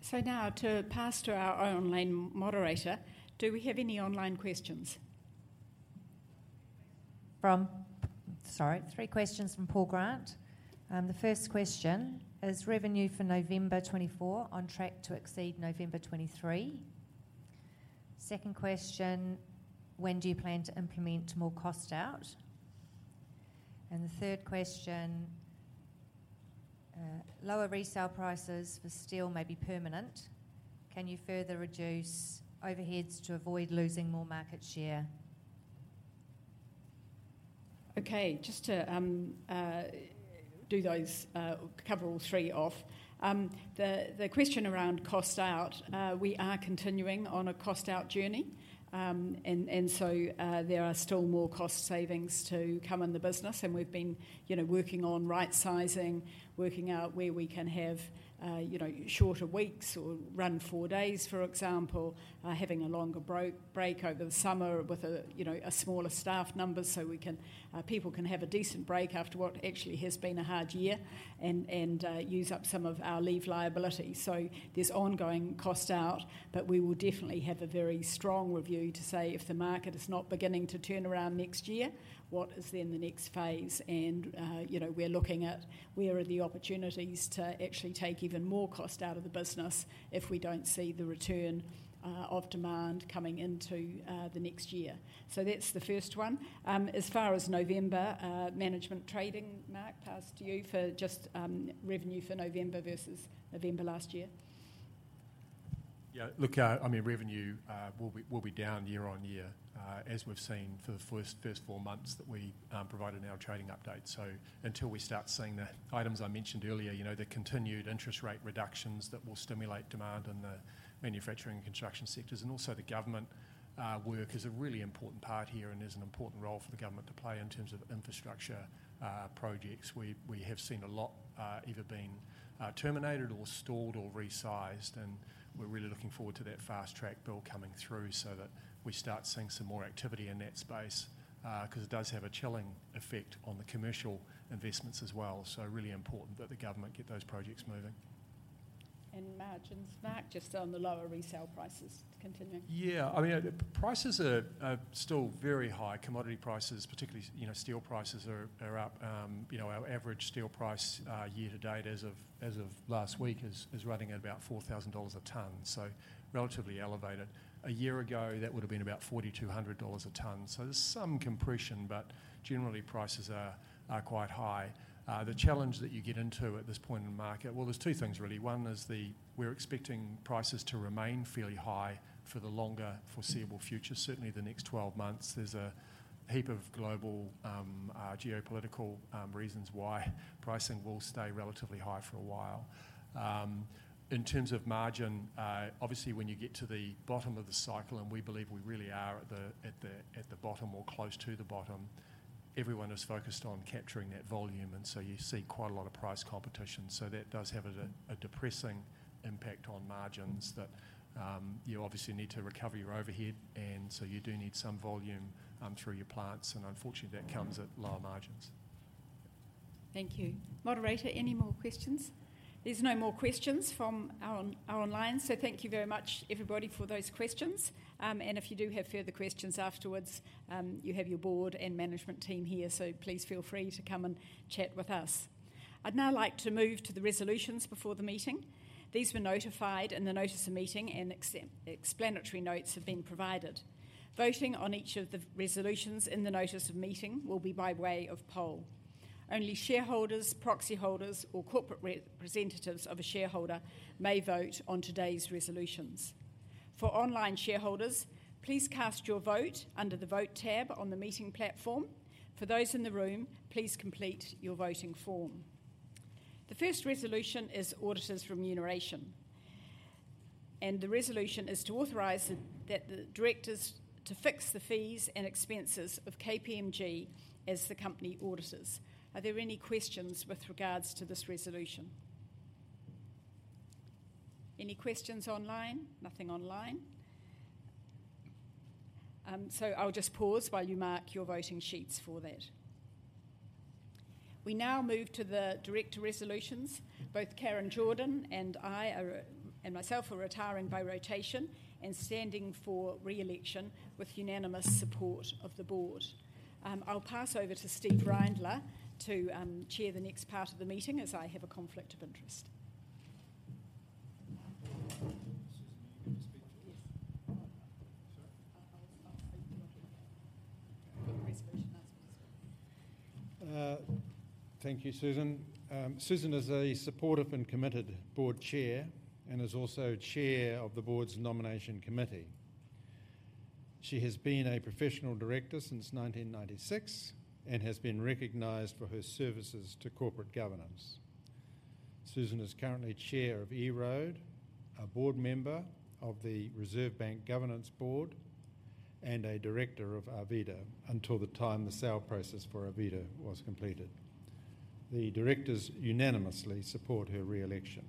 So now to pass to our online moderator. Do we have any online questions? Sorry, three questions from Paul Grant. The first question is revenue for November 2024 on track to exceed November 2023. Second question, when do you plan to implement more cost out? And the third question, lower resale prices for steel may be permanent. Can you further reduce overheads to avoid losing more market share? Okay. Just to cover all three off. The question around cost out, we are continuing on a cost out journey. And so there are still more cost savings to come in the business. And we've been working on right-sizing, working out where we can have shorter weeks or run four days, for example, having a longer break over the summer with a smaller staff number so people can have a decent break after what actually has been a hard year and use up some of our leave liability. So there's ongoing cost out, but we will definitely have a very strong review to say if the market is not beginning to turn around next year, what is then the next phase? And we're looking at where are the opportunities to actually take even more cost out of the business if we don't see the return of demand coming into the next year. So that's the first one. As far as November management trading, Mark, pass to you for just revenue for November versus November last year. Yeah. Look, I mean, revenue will be down year on year as we've seen for the first four months that we provided in our trading update, so until we start seeing the items I mentioned earlier, the continued interest rate reductions that will stimulate demand in the manufacturing and construction sectors, and also the government work is a really important part here and is an important role for the government to play in terms of infrastructure projects. We have seen a lot either being terminated or stalled or resized, and we're really looking forward to that Fast-track Approvals Bill coming through so that we start seeing some more activity in that space because it does have a chilling effect on the commercial investments as well, so really important that the government get those projects moving. Mark, just on the lower resale prices continuing. Yeah. I mean, prices are still very high. Commodity prices, particularly steel prices, are up. Our average steel price year to date as of last week is running at about 4,000 dollars a ton, so relatively elevated. A year ago, that would have been about 4,200 dollars a ton. So there's some compression, but generally, prices are quite high. The challenge that you get into at this point in the market, well, there's two things, really. One is we're expecting prices to remain fairly high for the longer foreseeable future, certainly the next 12 months. There's a heap of global geopolitical reasons why pricing will stay relatively high for a while. In terms of margin, obviously, when you get to the bottom of the cycle, and we believe we really are at the bottom or close to the bottom, everyone is focused on capturing that volume. And so you see quite a lot of price competition. So that does have a depressing impact on margins that you obviously need to recover your overhead. And so you do need some volume through your plants. And unfortunately, that comes at lower margins. Thank you. Moderator, any more questions? There's no more questions from our online. So thank you very much, everybody, for those questions. And if you do have further questions afterwards, you have your board and management team here. So please feel free to come and chat with us. I'd now like to move to the resolutions before the meeting. These were notified in the notice of meeting, and explanatory notes have been provided. Voting on each of the resolutions in the notice of meeting will be by way of poll. Only shareholders, proxy holders, or corporate representatives of a shareholder may vote on today's resolutions. For online shareholders, please cast your vote under the vote tab on the meeting platform. For those in the room, please complete your voting form. The first resolution is auditor's remuneration. The resolution is to authorize the directors to fix the fees and expenses of KPMG as the company auditors. Are there any questions with regards to this resolution? Any questions online? Nothing online. So I'll just pause while you mark your voting sheets for that. We now move to the director resolutions. Both Karen Jordan and I and myself are retiring by rotation and standing for re-election with unanimous support of the board. I'll pass over to Steve Reindler to chair the next part of the meeting as I have a conflict of interest. Susan, you get to speak to us. Yes. Sorry? I'll take the resolution as well. Thank you, Susan. Susan is a supportive and committed board chair and is also chair of the board's nomination committee. She has been a professional director since 1996 and has been recognized for her services to corporate governance. Susan is currently chair of EROAD, a board member of the Reserve Bank Governance Board, and a director of Arvida until the time the sale process for Arvida was completed. The directors unanimously support her re-election.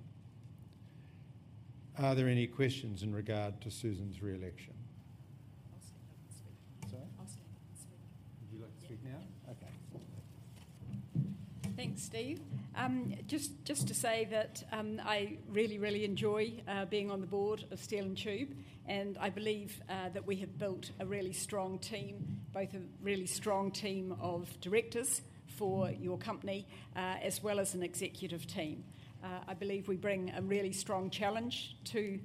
Are there any questions in regard to Susan's re-election? I'll stand up and speak. Sorry? I'll stand up and speak. Would you like to speak now? Yes. Okay. Thanks, Steve. Just to say that I really, really enjoy being on the board of Steel & Tube, and I believe that we have built a really strong team, both a really strong team of directors for your company as well as an executive team. I believe we bring a really strong challenge to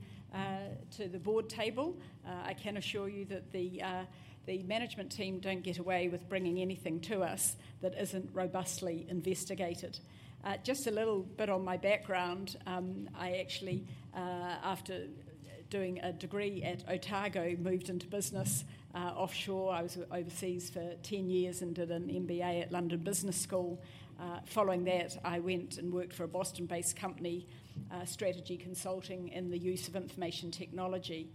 the board table. I can assure you that the management team don't get away with bringing anything to us that isn't robustly investigated. Just a little bit on my background, I actually, after doing a degree at Otago, moved into business offshore. I was overseas for 10 years and did an MBA at London Business School. Following that, I went and worked for a Boston-based company, strategy Consulting in the use of information technology.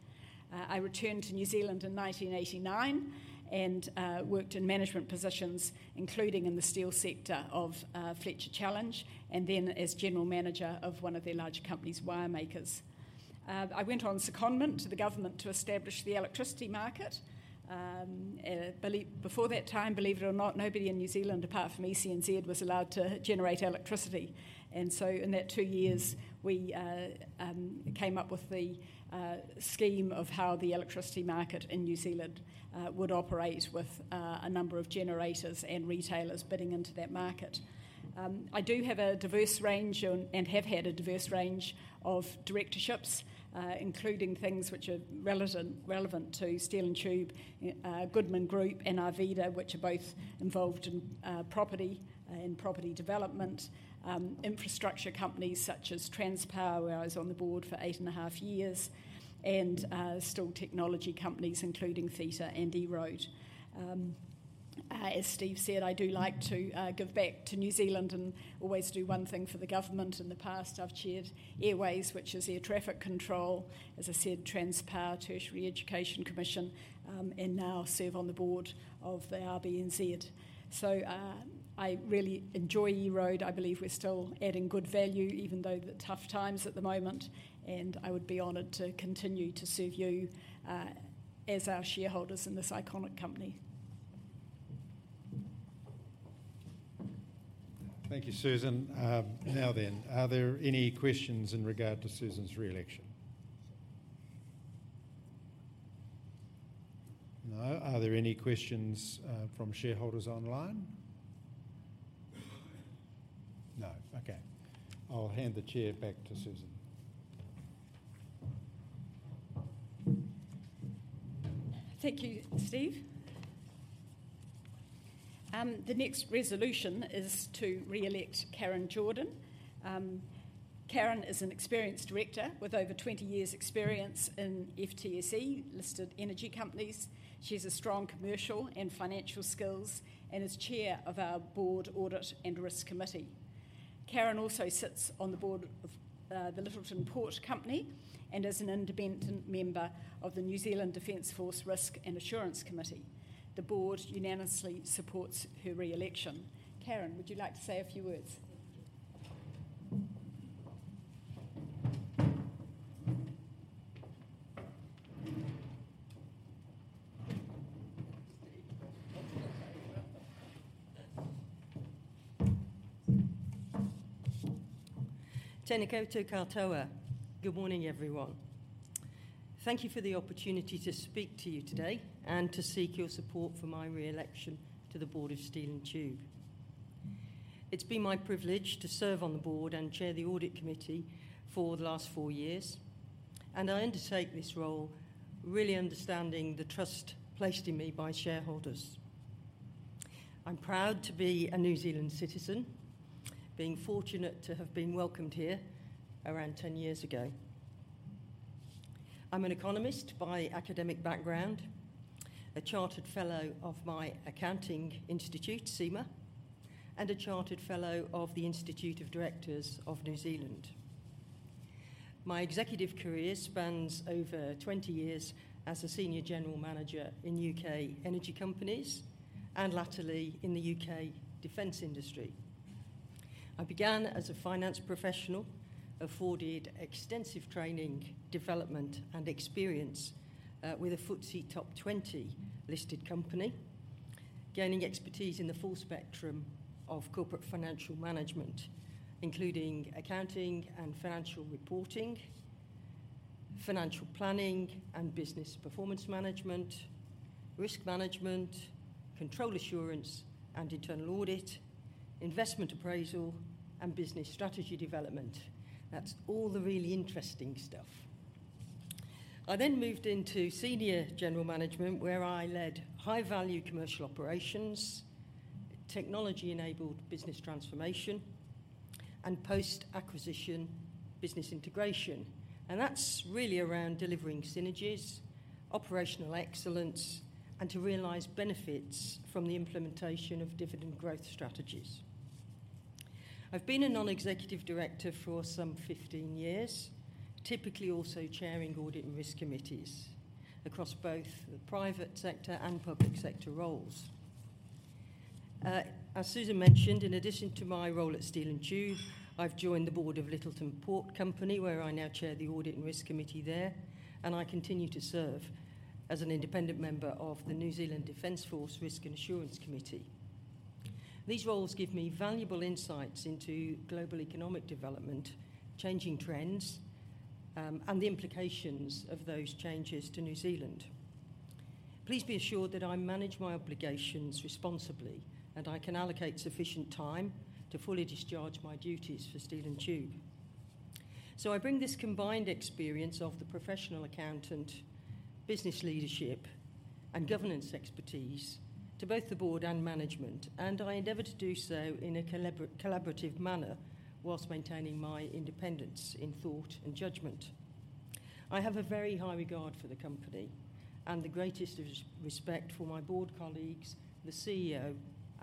I returned to New Zealand in 1989 and worked in management positions, including in the steel sector of Fletcher Challenge and then as general manager of one of their larger companies, Wiremakers. I went on secondment to the government to establish the electricity market. Before that time, believe it or not, nobody in New Zealand apart from ECNZ was allowed to generate electricity. And so in that two years, we came up with the scheme of how the electricity market in New Zealand would operate with a number of generators and retailers bidding into that market. I do have a diverse range and have had a diverse range of directorships, including things which are relevant to Steel & Tube, Goodman Group, and Arvida, which are both involved in property and property development, infrastructure companies such as Transpower. I was on the board for eight and a half years, and steel technology companies, including Theta and EROAD. As Steve said, I do like to give back to New Zealand and always do one thing for the government. In the past, I've chaired Airways, which is air traffic control, as I said, Transpower, Tertiary Education Commission, and now serve on the board of the RBNZ, so I really enjoy EROAD. I believe we're still adding good value, even though the tough times at the moment, and I would be honored to continue to serve you as our shareholders in this iconic company. Thank you, Susan. Now then, are there any questions in regard to Susan's re-election? No. Are there any questions from shareholders online? No. Okay. I'll hand the chair back to Susan. Thank you, Steve. The next resolution is to re-elect Karen Jordan. Karen is an experienced director with over 20 years' experience in FTSE-listed energy companies. She has strong commercial and financial skills and is chair of our Board Audit and Risk Committee. Karen also sits on the board of the Lyttelton Port Company and is an independent member of the New Zealand Defence Force Risk and Assurance Committee. The board unanimously supports her re-election. Karen, would you like to say a few words? Karen Jordan, good morning, everyone. Thank you for the opportunity to speak to you today and to seek your support for my re-election to the board of Steel & Tube. It's been my privilege to serve on the board and chair the audit committee for the last four years. And I undertake this role really understanding the trust placed in me by shareholders. I'm proud to be a New Zealand citizen, being fortunate to have been welcomed here around 10 years ago. I'm an economist by academic background, a chartered fellow of my accounting institute, CIMA, and a chartered fellow of the Institute of Directors of New Zealand. My executive career spans over 20 years as a senior general manager in U.K. energy companies and latterly in the U.K. defense industry. I began as a finance professional, afforded extensive training, development, and experience with a FTSE Top 20-listed company, gaining expertise in the full spectrum of corporate financial management, including accounting and financial reporting, financial planning and business performance management, risk management, control assurance and internal audit, investment appraisal, and business strategy development. That's all the really interesting stuff. I then moved into senior general management, where I led high-value commercial operations, technology-enabled business transformation, and post-acquisition business integration, and that's really around delivering synergies, operational excellence, and to realize benefits from the implementation of dividend growth strategies. I've been a non-executive director for some 15 years, typically also chairing audit and risk committees across both the private sector and public sector roles. As Susan mentioned, in addition to my role at Steel & Tube, I've joined the board of Lyttelton Port Company, where I now chair the audit and risk committee there, and I continue to serve as an independent member of the New Zealand Defence Force Risk and Assurance Committee. These roles give me valuable insights into global economic development, changing trends, and the implications of those changes to New Zealand. Please be assured that I manage my obligations responsibly, and I can allocate sufficient time to fully discharge my duties for Steel & Tube, so I bring this combined experience of the professional accountant, business leadership, and governance expertise to both the board and management, and I endeavor to do so in a collaborative manner whilst maintaining my independence in thought and judgment. I have a very high regard for the company and the greatest respect for my board colleagues, the CEO,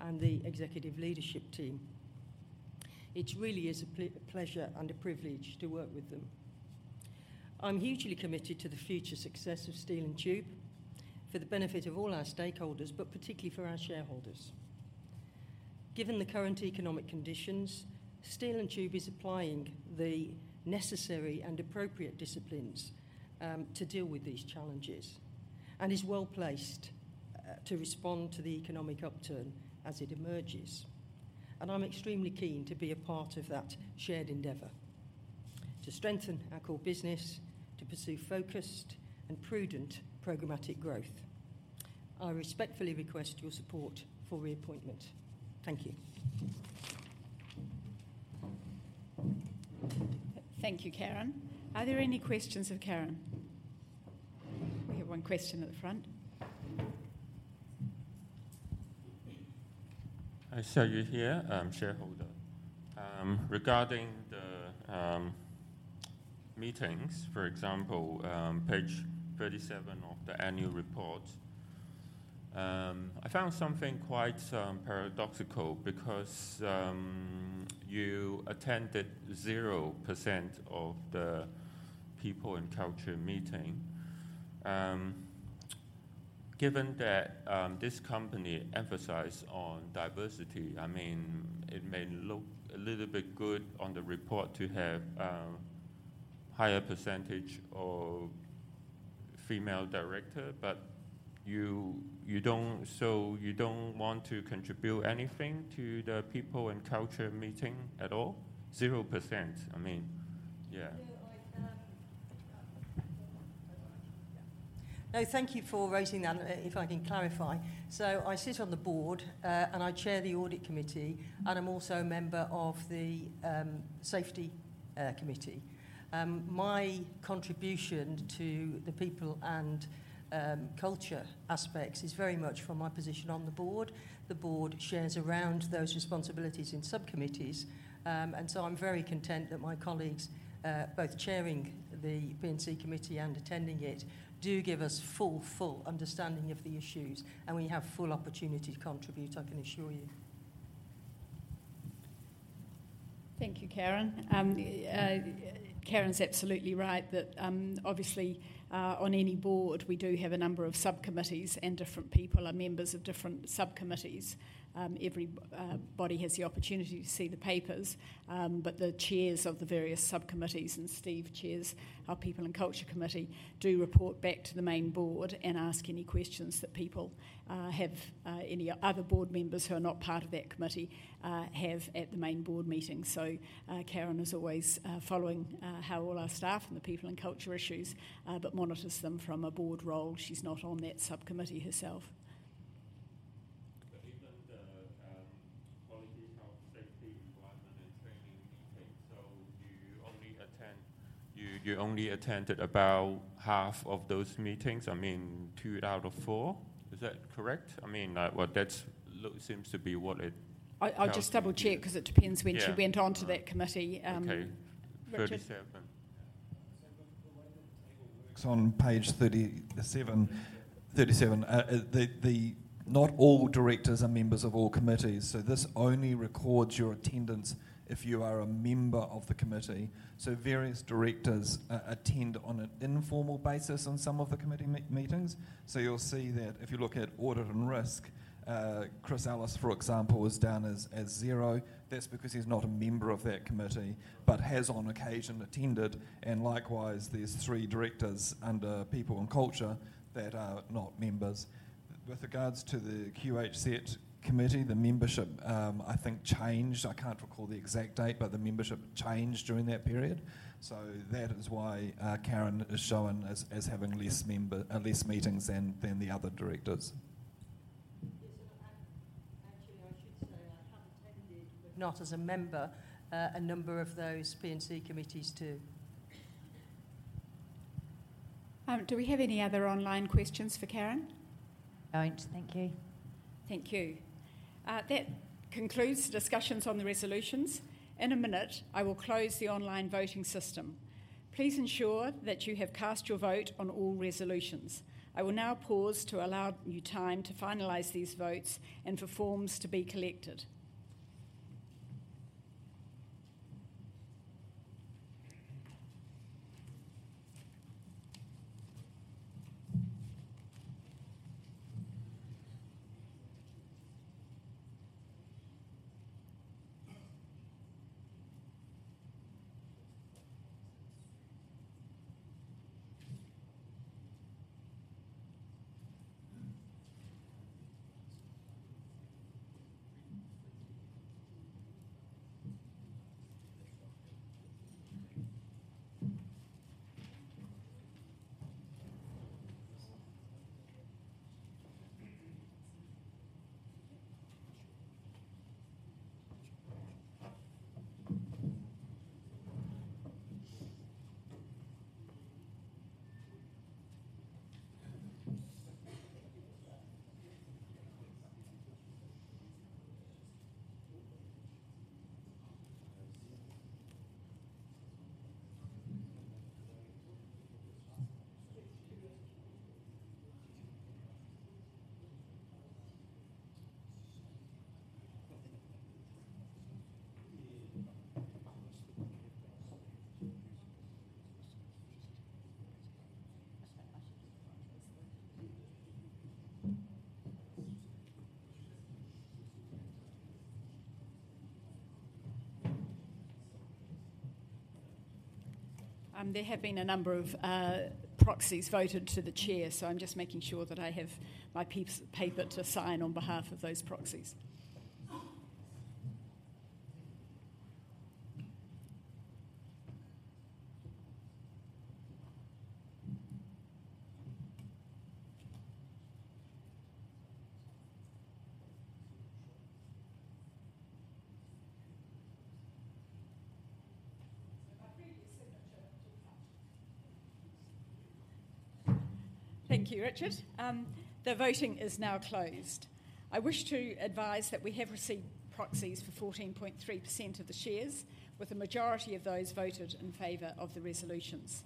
and the executive leadership team. It really is a pleasure and a privilege to work with them. I'm hugely committed to the future success of Steel & Tube for the benefit of all our stakeholders, but particularly for our shareholders. Given the current economic conditions, Steel & Tube is applying the necessary and appropriate disciplines to deal with these challenges and is well placed to respond to the economic upturn as it emerges. And I'm extremely keen to be a part of that shared endeavor to strengthen our core business, to pursue focused and prudent programmatic growth. I respectfully request your support for reappointment. Thank you. Thank you, Karen. Are there any questions for Karen? We have one question at the front. So you're here, shareholder. Regarding the meetings, for example, page 37 of the annual report, I found something quite paradoxical because you attended 0% of the People and Culture meeting. Given that this company emphasizes diversity, I mean, it may look a little bit good on the report to have a higher percentage of female directors, but you don't want to contribute anything to the People and Culture meeting at all? 0%, I mean, yeah. No, thank you for raising that, if I can clarify. So I sit on the board, and I chair the audit committee, and I'm also a member of the safety committee. My contribution to the people and culture aspects is very much from my position on the board. The board shares around those responsibilities in subcommittees. And so I'm very content that my colleagues, both chairing the P&C committee and attending it, do give us full, full understanding of the issues. And we have full opportunity to contribute, I can assure you. Thank you, Karen. Karen's absolutely right that obviously, on any board, we do have a number of subcommittees and different people are members of different subcommittees. Everybody has the opportunity to see the papers. But the chairs of the various subcommittees, and Steve chairs our people and culture committee, do report back to the main board and ask any questions that people have. Any other board members who are not part of that committee have at the main board meeting. So Karen is always following how all our staff and the people and culture issues, but monitors them from a board role. She's not on that subcommittee herself. Good evening. The Quality, Health, Safety, Environment, and Training meetings. So you only attended about half of those meetings, I mean, two out of four? Is that correct? I mean, that seems to be what it. I'll just double-check because it depends when she went on to that committee. Okay. 37. So the way that the table works on page 37, not all directors are members of all committees. So this only records your attendance if you are a member of the committee. So various directors attend on an informal basis on some of the committee meetings. So you'll see that if you look at Audit and Risk, Chris Ellis, for example, is down as zero. That's because he's not a member of that committee, but has on occasion attended. And likewise, there's three directors under People and Culture that are not members. With regards to the Nomination Committee, the membership, I think, changed. I can't recall the exact date, but the membership changed during that period. So that is why Karen is shown as having less meetings than the other directors. Actually, I should say I have attended, but not as a member, a number of those P&C committees too. Do we have any other online questions for Karen? Don't. Thank you. Thank you. That concludes the discussions on the resolutions. In a minute, I will close the online voting system. Please ensure that you have cast your vote on all resolutions. I will now pause to allow you time to finalize these votes and for forms to be collected. There have been a number of proxies voted to the chair. So I'm just making sure that I have my paper to sign on behalf of those proxies. Thank you, Richard. The voting is now closed. I wish to advise that we have received proxies for 14.3% of the shares, with a majority of those voted in favor of the resolutions.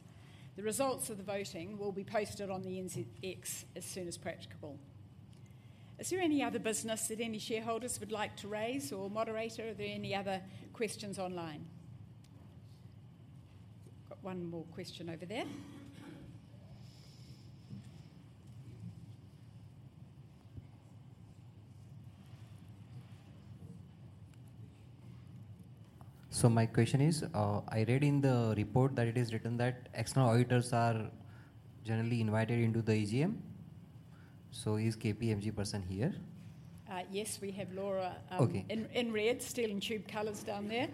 The results of the voting will be posted on the NZX as soon as practicable. Is there any other business that any shareholders would like to raise or moderator? Are there any other questions online? We've got one more question over there. So my question is, I read in the report that it is written that external auditors are generally invited into the EGM. So is KPMG person here? Yes, we have Laura in red, Steel & Tube colors down there.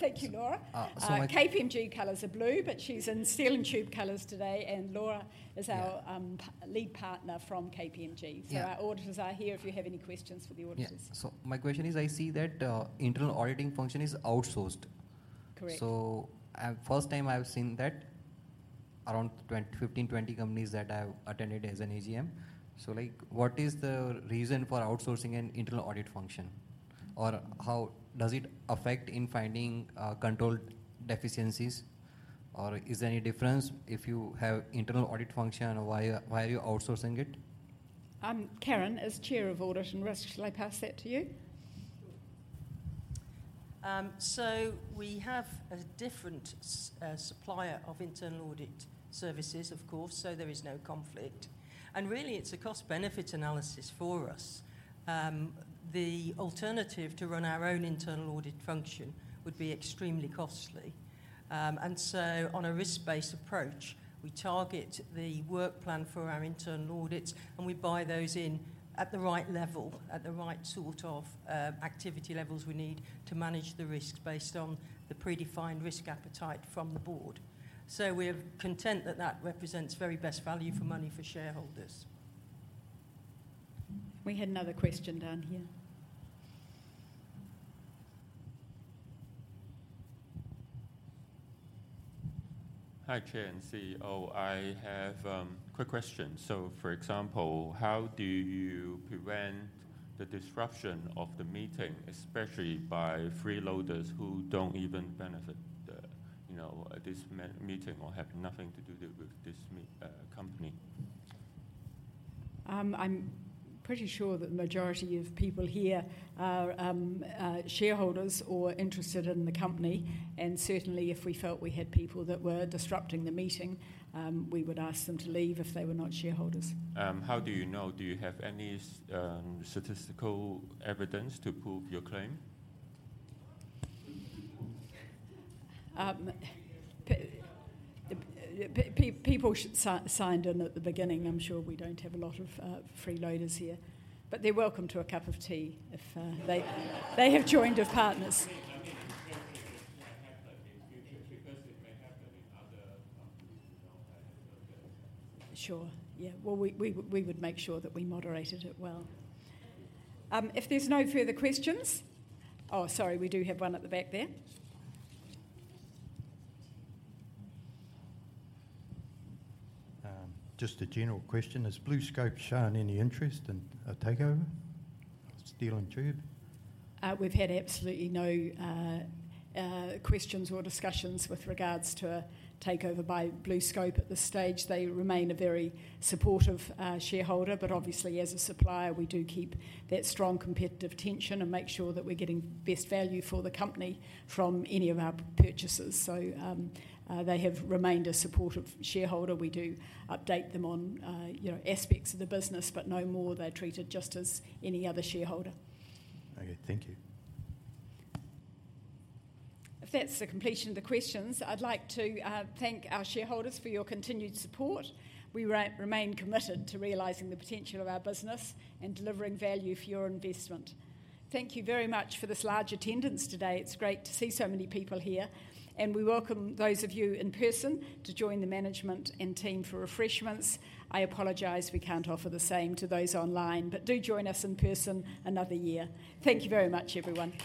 Thank you, Laura. KPMG colors are blue, but she's in Steel & Tube colors today. And Laura is our lead partner from KPMG. So our auditors are here if you have any questions for the auditors. So my question is, I see that internal auditing function is outsourced. So first time I've seen that around 15, 20 companies that I've attended as an EGM. So what is the reason for outsourcing an internal audit function? Or how does it affect in finding control deficiencies? Or is there any difference if you have internal audit function? Why are you outsourcing it? Karen, as Chair of Audit and Risk, shall I pass that to you? So we have a different supplier of internal audit services, of course. So there is no conflict. And really, it's a cost-benefit analysis for us. The alternative to run our own internal audit function would be extremely costly. And so on a risk-based approach, we target the work plan for our internal audits, and we buy those in at the right level, at the right sort of activity levels we need to manage the risks based on the predefined risk appetite from the board. So we are content that that represents very best value for money for shareholders. We had another question down here. Hi Chair and CEO. I have a quick question. So for example, how do you prevent the disruption of the meeting, especially by freeloaders who don't even benefit at this meeting or have nothing to do with this company? I'm pretty sure that the majority of people here are shareholders or interested in the company, and certainly, if we felt we had people that were disrupting the meeting, we would ask them to leave if they were not shareholders. How do you know? Do you have any statistical evidence to prove your claim? People signed in at the beginning. I'm sure we don't have a lot of freeloaders here. But they're welcome to a cup of tea if they have joined as partners. I mean, I think it may happen in future because it may happen in other companies as well that have not been involved. Sure. Yeah, well, we would make sure that we moderated it well. If there's no further questions, oh, sorry, we do have one at the back there. Just a general question. Is BlueScope showing any interest in a takeover of Steel & Tube? We've had absolutely no questions or discussions with regards to a takeover by BlueScope at this stage. They remain a very supportive shareholder. But obviously, as a supplier, we do keep that strong competitive tension and make sure that we're getting best value for the company from any of our purchases. So they have remained a supportive shareholder. We do update them on aspects of the business, but no more. They're treated just as any other shareholder. Okay. Thank you. If that's the completion of the questions, I'd like to thank our shareholders for your continued support. We remain committed to realizing the potential of our business and delivering value for your investment. Thank you very much for this large attendance today. It's great to see so many people here, and we welcome those of you in person to join the management and team for refreshments. I apologize. We can't offer the same to those online, but do join us in person another year. Thank you very much, everyone.